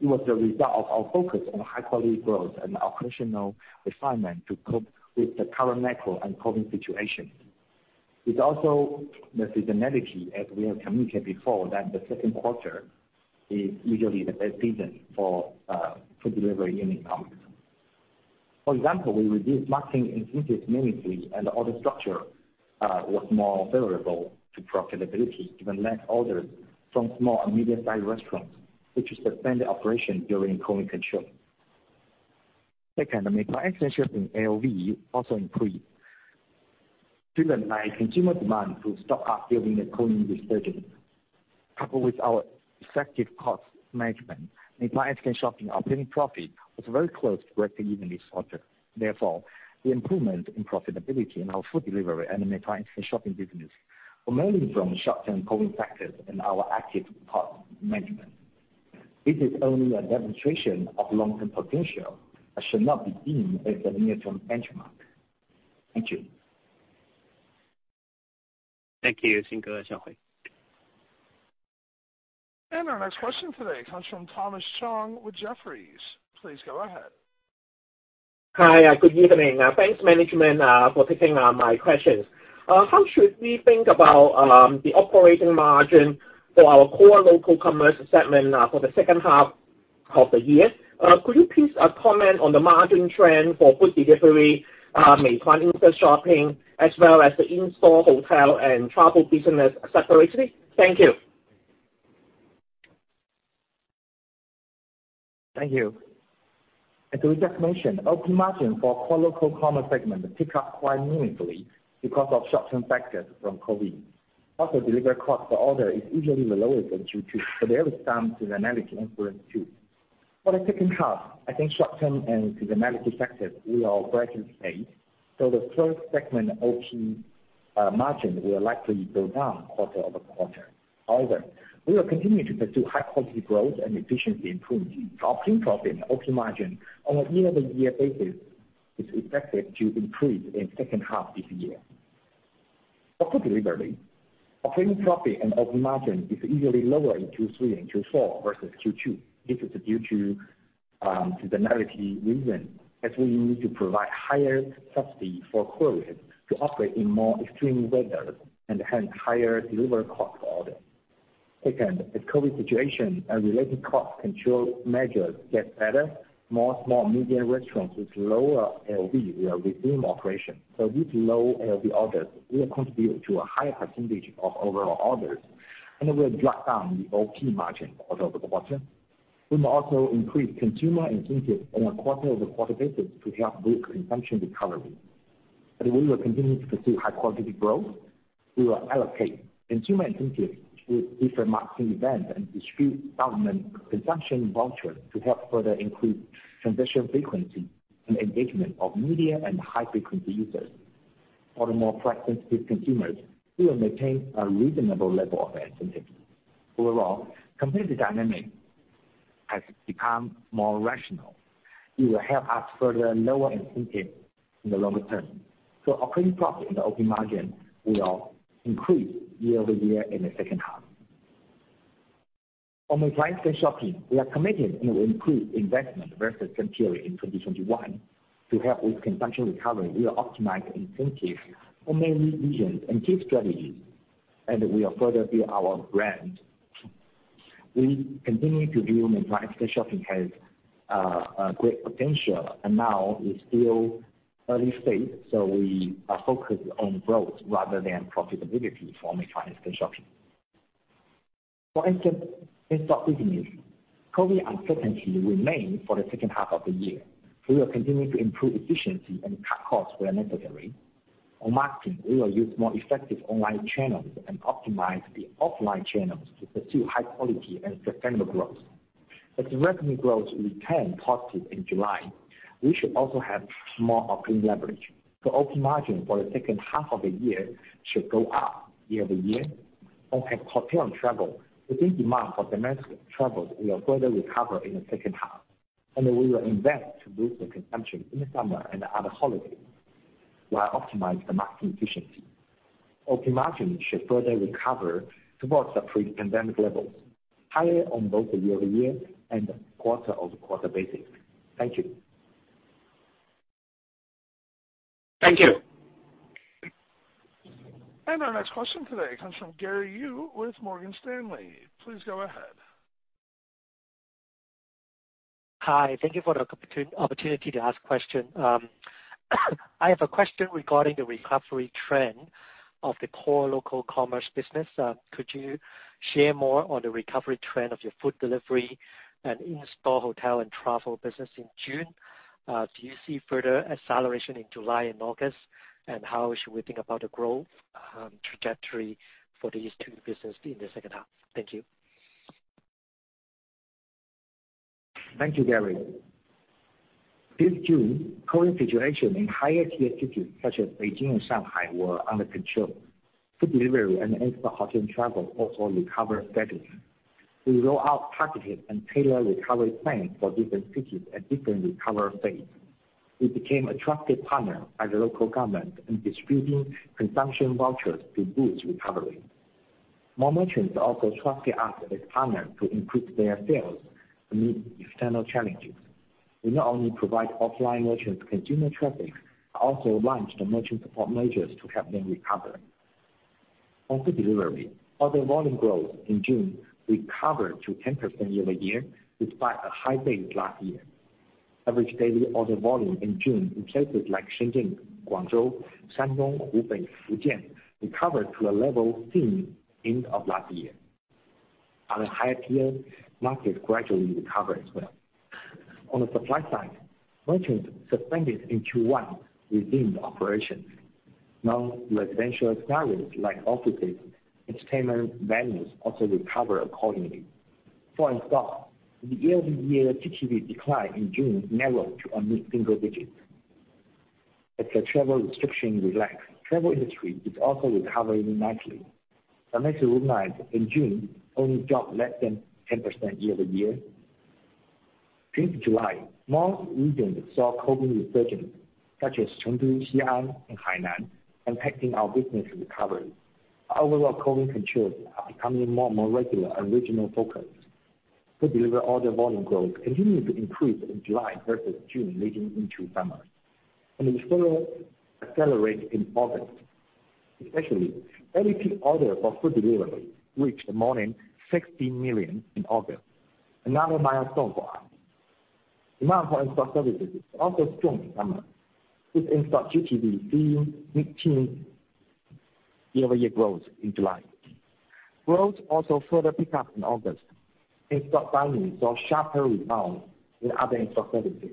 It was the result of our focus on high quality growth and operational refinement to cope with the current macro and COVID situation. It's also the seasonality as we have communicated before that the second quarter is usually the best season for food delivery unit economics. For example, we reduced marketing intensity meaningfully, and order structure was more favorable to profitability, given less orders from small and medium-sized restaurants, which suspend their operation during COVID control. Second, the Meituan Instashopping AOV also improved, driven by consumer demand to stock up during the COVID resurgence. Coupled with our effective cost management, Meituan Instashopping operating profit was very close to breaking even this quarter. Therefore, the improvement in profitability in our food delivery and the Meituan Instashopping business were mainly from short-term COVID factors and our active cost management. This is only a demonstration of long-term potential and should not be seen as a near-term benchmark. Thank you. Thank you. Xing, Shaohui. Our next question today comes from Thomas Chong with Jefferies. Please go ahead. Hi. Good evening. Thanks management for taking my questions. How should we think about the operating margin for our core local commerce segment for the second half of the year? Could you please comment on the margin trend for food delivery, Meituan Instashopping, as well as the Insta Hotel & Travel business separately? Thank you. Thank you. As we just mentioned, operating margin for core local commerce segment picked up quite meaningfully because of short-term factors from COVID. Also, delivery cost per order is usually lower than Q2, so there is some seasonality influence too. For the second half, I think short-term and seasonality factors will all gradually fade, so the core segment OP margin will likely go down quarter-over-quarter. However, we will continue to pursue high quality growth and efficiency improvements. Operating profit and operating margin on a year-over-year basis is expected to improve in second half this year. For food delivery, operating profit and operating margin is usually lower in Q3 and Q4 versus Q2. This is due to seasonality reason as we need to provide higher subsidy for couriers to operate in more extreme weather and have higher delivery cost per order. Second, as COVID situation and related cost control measures get better, more small and medium restaurants with lower AOV will resume operation. With low AOV orders will contribute to a higher percentage of overall orders and will drop down the operating margin over the quarter. We will also increase consumer incentives on a quarter-over-quarter basis to help boost consumption recovery. We will continue to pursue high-quality growth. We will allocate consumer incentives to different marketing events and distribute government consumption vouchers to help further increase transaction frequency and engagement of medium and high-frequency users. For the more price sensitive consumers, we will maintain a reasonable level of incentive. Overall, competitive dynamic has become more rational. It will help us further lower incentive in the longer term. Operating profit and the operating margin will increase year-over-year in the second half. On the Meituan Services shopping, we are committed and will improve investment versus same period in 2021. To help with consumption recovery, we will optimize incentives on main business and key strategies, and we will further build our brand. We continue to view Meituan shopping has a great potential and now is still early stage. We are focused on growth rather than profitability for Meituan shopping. For Insta-store business, COVID uncertainty remain for the second half of the year. We will continue to improve efficiency and cut costs where necessary. On marketing, we will use more effective online channels and optimize the offline channels to pursue high quality and sustainable growth. As the revenue growth returned positive in July, we should also have more operating leverage. The operating margin for the second half of the year should go up year-over-year. On hotel and travel, we think demand for domestic travel will further recover in the second half, and we will invest to boost the consumption in the summer and other holidays while optimize the market efficiency. Operating margin should further recover towards the pre-pandemic levels, higher on both the year-over-year and quarter-over-quarter basis. Thank you. Thank you. Our next question today comes from Gary Yu with Morgan Stanley. Please go ahead. Hi. Thank you for the opportunity to ask question. I have a question regarding the recovery trend of the core local commerce business. Could you share more on the recovery trend of your food delivery and in-store hotel and travel business in June? Do you see further acceleration in July and August? How should we think about the growth trajectory for these two businesses in the second half? Thank you. Thank you, Gary Yu. This June, COVID situation in higher tier cities such as Beijing and Shanghai were under control. Food delivery and in-store hotel and travel also recovered steadily. We roll out targeted and tailored recovery plans for different cities at different recovery phase. We became a trusted partner by the local government in distributing consumption vouchers to boost recovery. More merchants also trusted us as a partner to increase their sales amid external challenges. We not only provide offline merchants consumer traffic, but also launched the merchant support measures to help them recover. On food delivery, order volume growth in June recovered to 10% year-over-year despite a high base last year. Average daily order volume in June in places like Shenzhen, Guangzhou, Shandong, Hubei, Fujian recovered to a level seen end of last year. On a higher tier, markets gradually recover as well. On the supply side, merchants suspended in Q1 resumed operations. Non-residential scenarios like offices, entertainment venues also recover accordingly. For in-store, the year-over-year GTV decline in June narrowed to a mid-single-digit. As the travel restriction relaxed, travel industry is also recovering nicely. Domestic room night in June only dropped less than 10% year-over-year. Since July, more regions saw COVID resurgence, such as Chengdu, Xi'an, and Hainan, impacting our business recovery. Overall COVID controls are becoming more and more regular and regional focused. Food delivery order volume growth continued to increase in July versus June leading into summer, and the recovery accelerate in August. Especially, daily peak order for food delivery reached more than 60 million in August, another milestone for us. Demand for in-store services is also strong in summer, with in-store GTV seeing mid-teens year-over-year growth in July. Growth also further picked up in August. In-store dining saw sharper rebound than other in-store services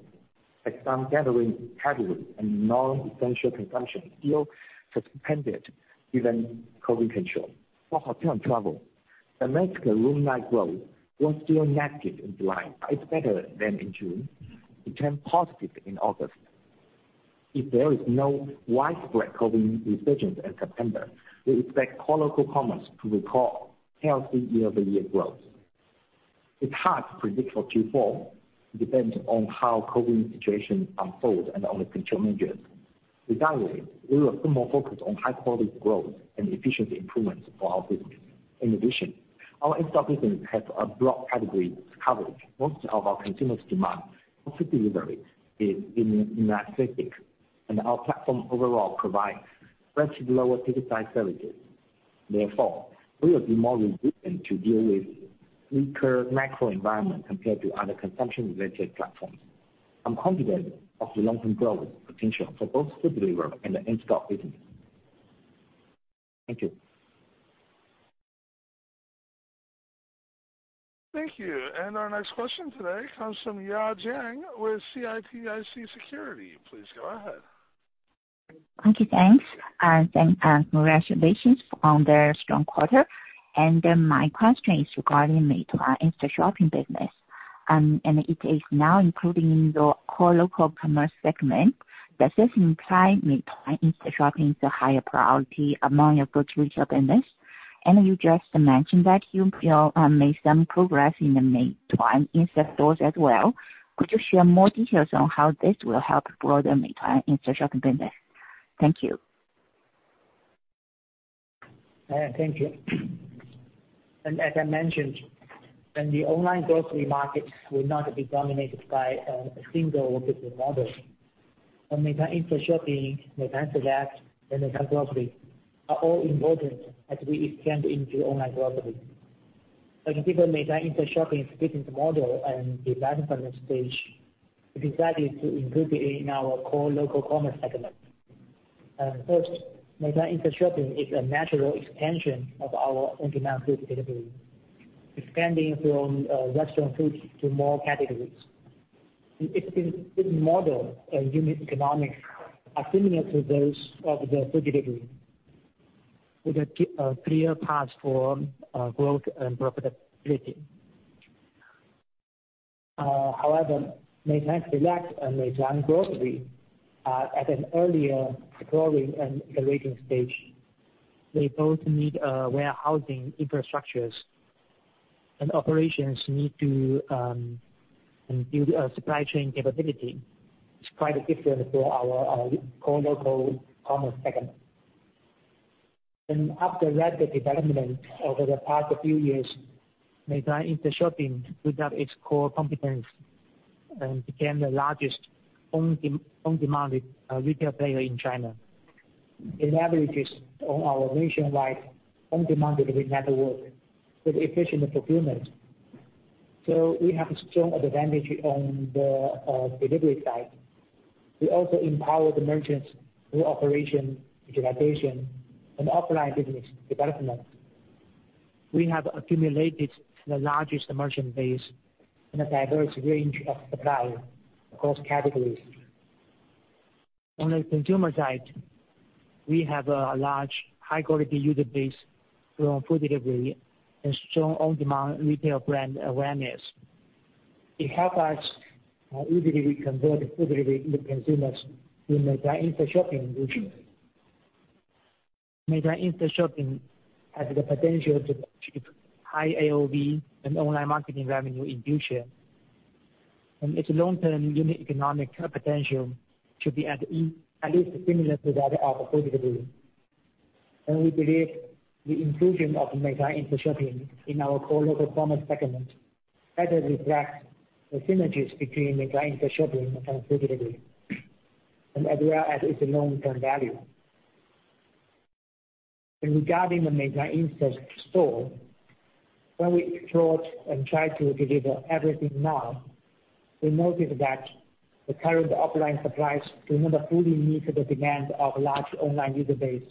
as some gathering category and non-essential consumption still suspended given COVID control. For hotel and travel, domestic room night growth was still negative in July, but it's better than in June, became positive in August. If there is no widespread COVID resurgence in September, we expect core local commerce to record healthy year-over-year growth. It's hard to predict for Q4. It depends on how COVID situation unfolds and on the control measures. Regardless, we will remain focused on high-quality growth and efficiency improvements for our business. In addition, our in-store business has a broad category coverage. Most of our consumers demand for food delivery is in that setting. Our platform overall provides much lower ticket size services. Therefore, we will be more resilient to deal with weaker macro environment compared to other consumption-related platforms. I'm confident of the long-term growth potential for both food delivery and the in-store business. Thank you. Thank you. Our next question today comes from Ya Jiang with CITIC Securities. Please go ahead. Thank you. Congratulations on the strong quarter. Then my question is regarding the Meituan Instashopping business, and it is now including the core local commerce segment. Does this imply Meituan Instashopping is a higher priority among your grocery business? You just mentioned that you know made some progress in the Meituan Insta-stores as well. Could you share more details on how this will help grow the Meituan Instashopping business? Thank you. Thank you. As I mentioned, the online grocery market will not be dominated by a single business model. Meituan Instashopping, Meituan Select, and Meituan Grocery are all important as we expand into online grocery. Given Meituan Instashopping's business model and development stage, we decided to include it in our core local commerce segment. First, Meituan Instashopping is a natural extension of our on-demand food delivery, expanding from restaurant food to more categories. Its model and unit economics are similar to those of the food delivery with a clear path for growth and profitability. However, Meituan Select and Meituan Grocery are at an earlier growing and developing stage. They both need warehousing infrastructures, and operations need to build a supply chain capability. It's quite different to our core local commerce segment. After rapid development over the past few years, Meituan Instashopping built up its core competence and became the largest on-demand retail player in China. It leverages on our nationwide on-demand delivery network with efficient procurement, so we have a strong advantage on the delivery side. We also empower the merchants through operation, digitization, and offline business development. We have accumulated the largest merchant base and a diverse range of supply across categories. On the consumer side, we have a large high-quality user base from food delivery and strong on-demand retail brand awareness. It help us easily convert food delivery users to Meituan Instashopping users. Meituan Instashopping has the potential to achieve high AOV and online marketing revenue in future. Its long-term unit economic potential should be at least similar to that of food delivery. We believe the inclusion of Meituan Instashopping in our core local commerce segment better reflects the synergies between Meituan Instashopping and food delivery, and as well as its long-term value. Regarding the Meituan Insta-store, when we explored and tried to deliver everything now, we noticed that the current offline supplies do not fully meet the demand of large online user base.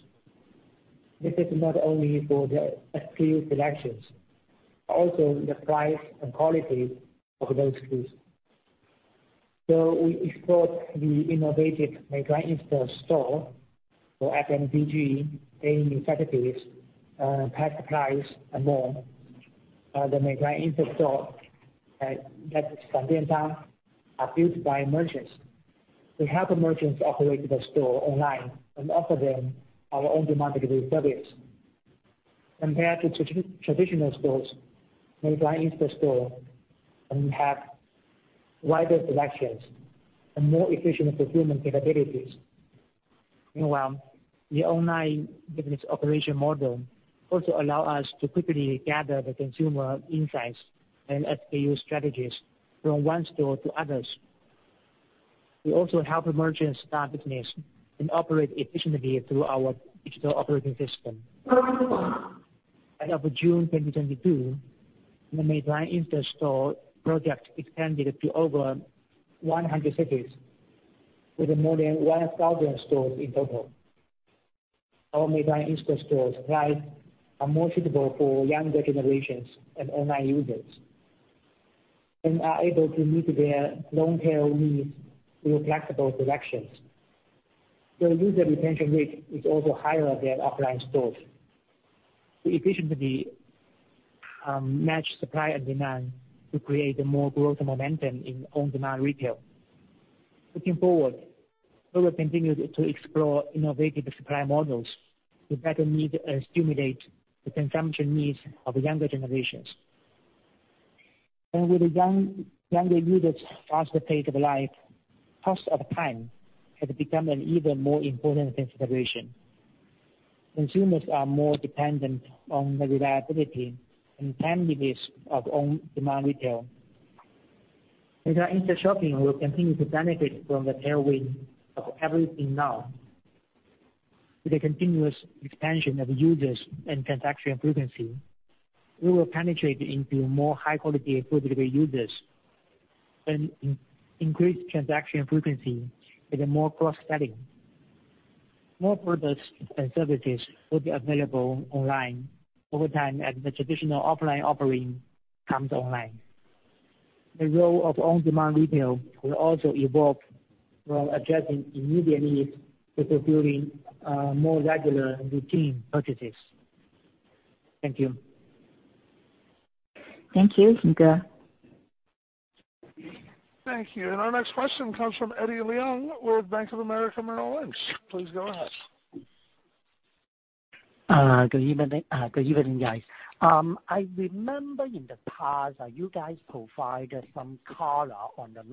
This is not only for the SKU selections, but also the price and quality of those goods. We explored the innovative Meituan Insta-store for FMCG, daily necessities, pet supplies, and more. The Meituan Insta-stores are built by merchants. We help the merchants operate the store online and offer them our on-demand delivery service. Compared to traditional stores, Meituan Insta-stores have wider selections and more efficient procurement capabilities. Meanwhile, the online business operation model also allow us to quickly gather the consumer insights and SKU strategies from one store to others. We also help merchants start business and operate efficiently through our digital operating system. As of June 2022, the Meituan Insta-store project expanded to over 100 cities with more than 1,000 stores in total. Our Meituan Insta-stores' price are more suitable for younger generations and online users and are able to meet their long-tail needs through flexible selections. The user retention rate is also higher than offline stores. We efficiently match supply and demand to create more growth and momentum in on-demand retail. Looking forward, we will continue to explore innovative supply models to better meet and stimulate the consumption needs of younger generations. With the younger users faster pace of life, cost of time has become an even more important consideration. Consumers are more dependent on the reliability and timeliness of on-demand retail. Meituan Instashopping will continue to benefit from the tailwind of everything now. With a continuous expansion of users and transaction frequency, we will penetrate into more high-quality food delivery users and increase transaction frequency in a more cross-cutting. More products and services will be available online over time as the traditional offline offering comes online. The role of on-demand retail will also evolve from addressing immediate needs to fulfilling more regular and routine purchases. Thank you. Thank you, Xing Wang. Thank you. Our next question comes from Eddie Leung with Bank of America Merrill Lynch. Please go ahead. Good evening, guys. I remember in the past that you guys provided some color on the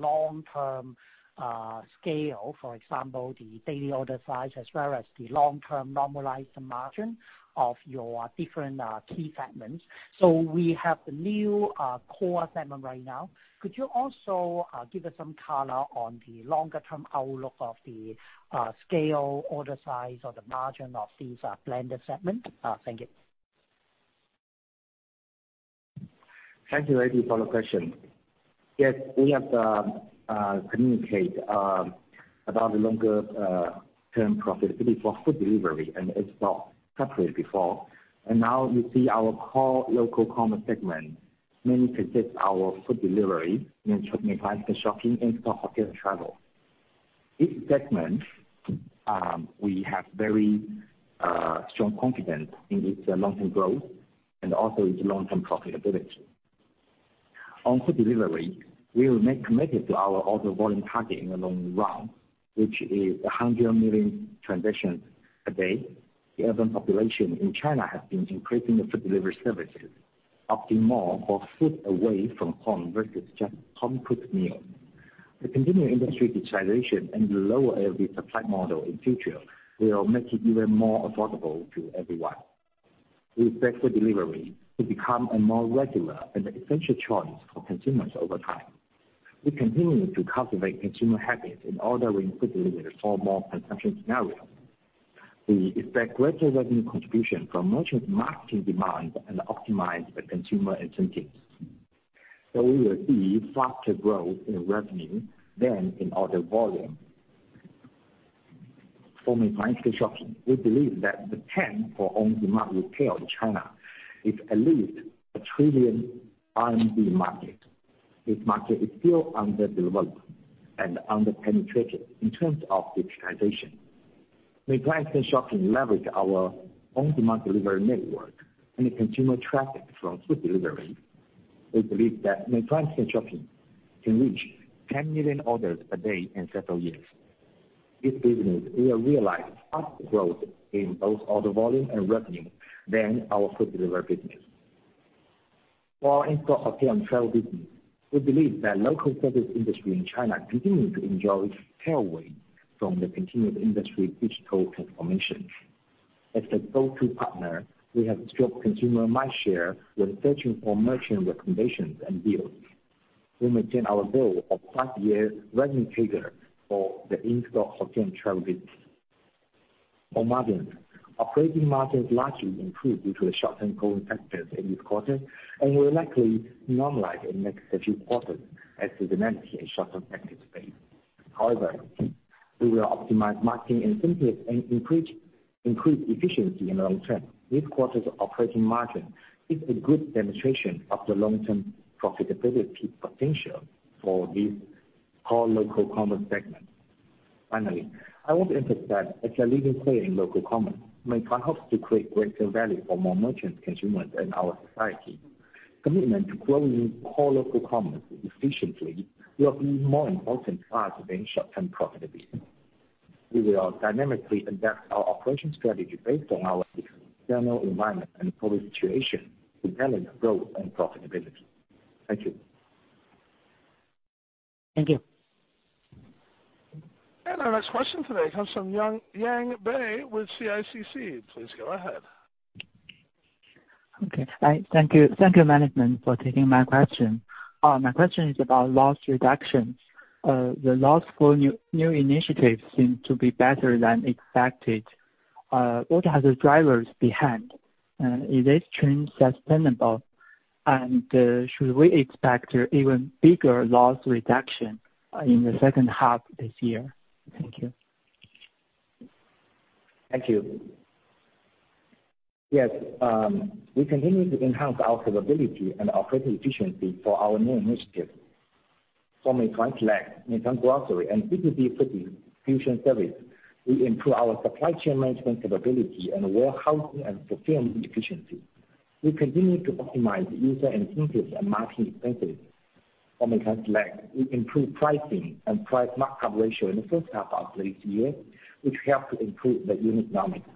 long-term scale, for example, the daily order size as well as the long-term normalized margin of your different key segments. We have the new core segment right now. Could you also give us some color on the longer term outlook of the scale, order size, or the margin of these blended segments? Thank you. Thank you, Eddie, for the question. Yes, we have communicated about the long-term profitability for food delivery and it was not separate before. Now you see our core local commerce segment mainly comprises our food delivery in Meituan Instashopping, Insta Hotel & Travel. Each segment we have very strong confidence in its long-term growth and also its long-term profitability. On food delivery, we remain committed to our order volume target in the long run, which is 100 million transactions a day. The urban population in China has been increasing the food delivery services, opting more for food away from home versus just home-cooked meal. The continuing industry digitization and the low-cost supply model in future will make it even more affordable to everyone. We expect the delivery to become a more regular and essential choice for consumers over time. We continue to cultivate consumer habits in ordering food delivery for more consumption scenario. We expect greater revenue contribution from merchant marketing demand and optimize the consumer incentives. We will see faster growth in revenue than in order volume. For Meituan Instashopping, we believe that the trend for on-demand retail in China is at least 1 trillion RMB market. This market is still underdevelopment and under-penetrated in terms of digitization. Meituan Instashopping leverage our on-demand delivery network and the consumer traffic from food delivery. We believe that Meituan Instashopping can reach 10 million orders a day in several years. This business will realize fast growth in both order volume and revenue than our food delivery business. For our Insta Hotel & Travel business, we believe that local service industry in China continue to enjoy its tailwind from the continued industry digital transformation. As a go-to partner, we have a strong consumer mind share when searching for merchant recommendations and deals. We maintain our goal of five-year revenue figure for the Insta Hotel & Travel business. On margins, operating margins largely improved due to the short-term COVID factors in this quarter and will likely normalize in next few quarters as the short-term factors fade. However, we will optimize marketing incentives and increase efficiency in the long term. This quarter's operating margin is a good demonstration of the long-term profitability potential for this whole local commerce segment. Finally, I want to emphasize, as a leading player in local commerce, Meituan hopes to create greater value for more merchants, consumers in our society. Commitment to growing whole local commerce efficiently will be more important to us than short-term profitability. We will dynamically adapt our operational strategy based on our external environment and COVID situation to deliver growth and profitability. Thank you. Thank you. Our next question today comes from Yang Bai with CICC. Please go ahead. Okay. Hi. Thank you. Thank you, management, for taking my question. My question is about loss reductions. The loss for new initiatives seem to be better than expected. What are the drivers behind? Is this trend sustainable? Should we expect even bigger loss reduction in the second half this year? Thank you. Thank you. Yes, we continue to enhance our capability and operating efficiency for our new initiatives. For Meituan Select, Meituan Grocery, and Kuailv Zhuanpan, we improve our supply chain management capability and warehousing and fulfillment efficiency. We continue to optimize user incentives and marketing expenses. For Meituan Select, we improve pricing and price markup ratio in the first half of this year, which helped to improve the unit economics.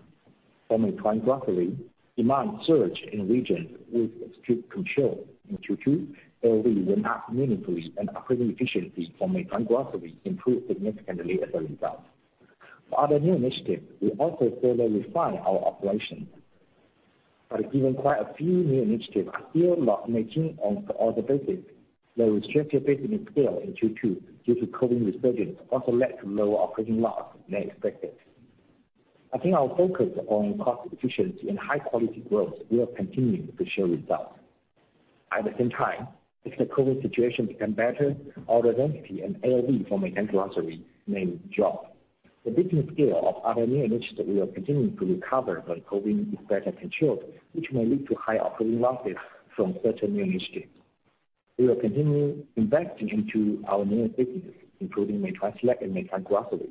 For Meituan Grocery, demand surge in regions with strict control in Q2, AOV went up meaningfully and operating efficiency for Meituan Grocery improved significantly as a result. For other new initiatives, we also further refine our operation. But given quite a few new initiatives, I feel like Meituan on all the basis, the restricted business scale in Q2 due to COVID resurgence also led to lower operating loss than expected. I think our focus on cost efficiency and high quality growth will continue to show results. At the same time, if the COVID situation become better, order density and AOV for Meituan Grocery may drop. The business scale of other new initiatives will continue to recover when COVID is better controlled, which may lead to higher operating losses from certain new initiatives. We will continue investing into our new businesses, including Meituan Select and Meituan Grocery,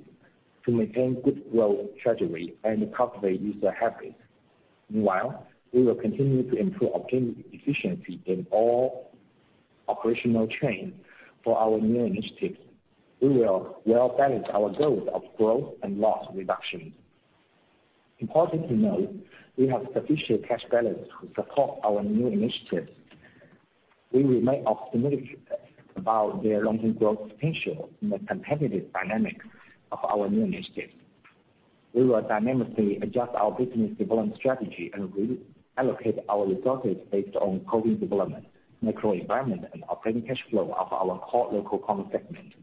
to maintain good growth trajectory and cultivate user habits. Meanwhile, we will continue to improve operating efficiency in all operational chain for our new initiatives. We will well balance our goals of growth and loss reduction. Important to note, we have sufficient cash balance to support our new initiatives. We remain optimistic about their long-term growth potential and the competitive dynamic of our new initiatives. We will dynamically adjust our business development strategy and reallocate our resources based on COVID development, macro environment, and operating cash flow of our core local commerce segment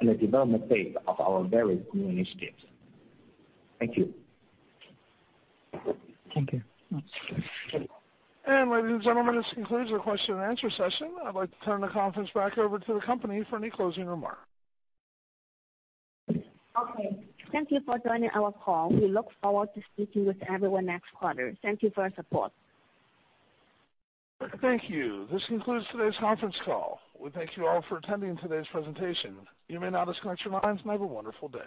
and the development phase of our various new initiatives. Thank you. Thank you. Ladies and gentlemen, this concludes the question and answer session. I'd like to turn the conference back over to the company for any closing remarks. Okay. Thank you for joining our call. We look forward to speaking with everyone next quarter. Thank you for your support. Thank you. This concludes today's conference call. We thank you all for attending today's presentation. You may now disconnect your lines and have a wonderful day.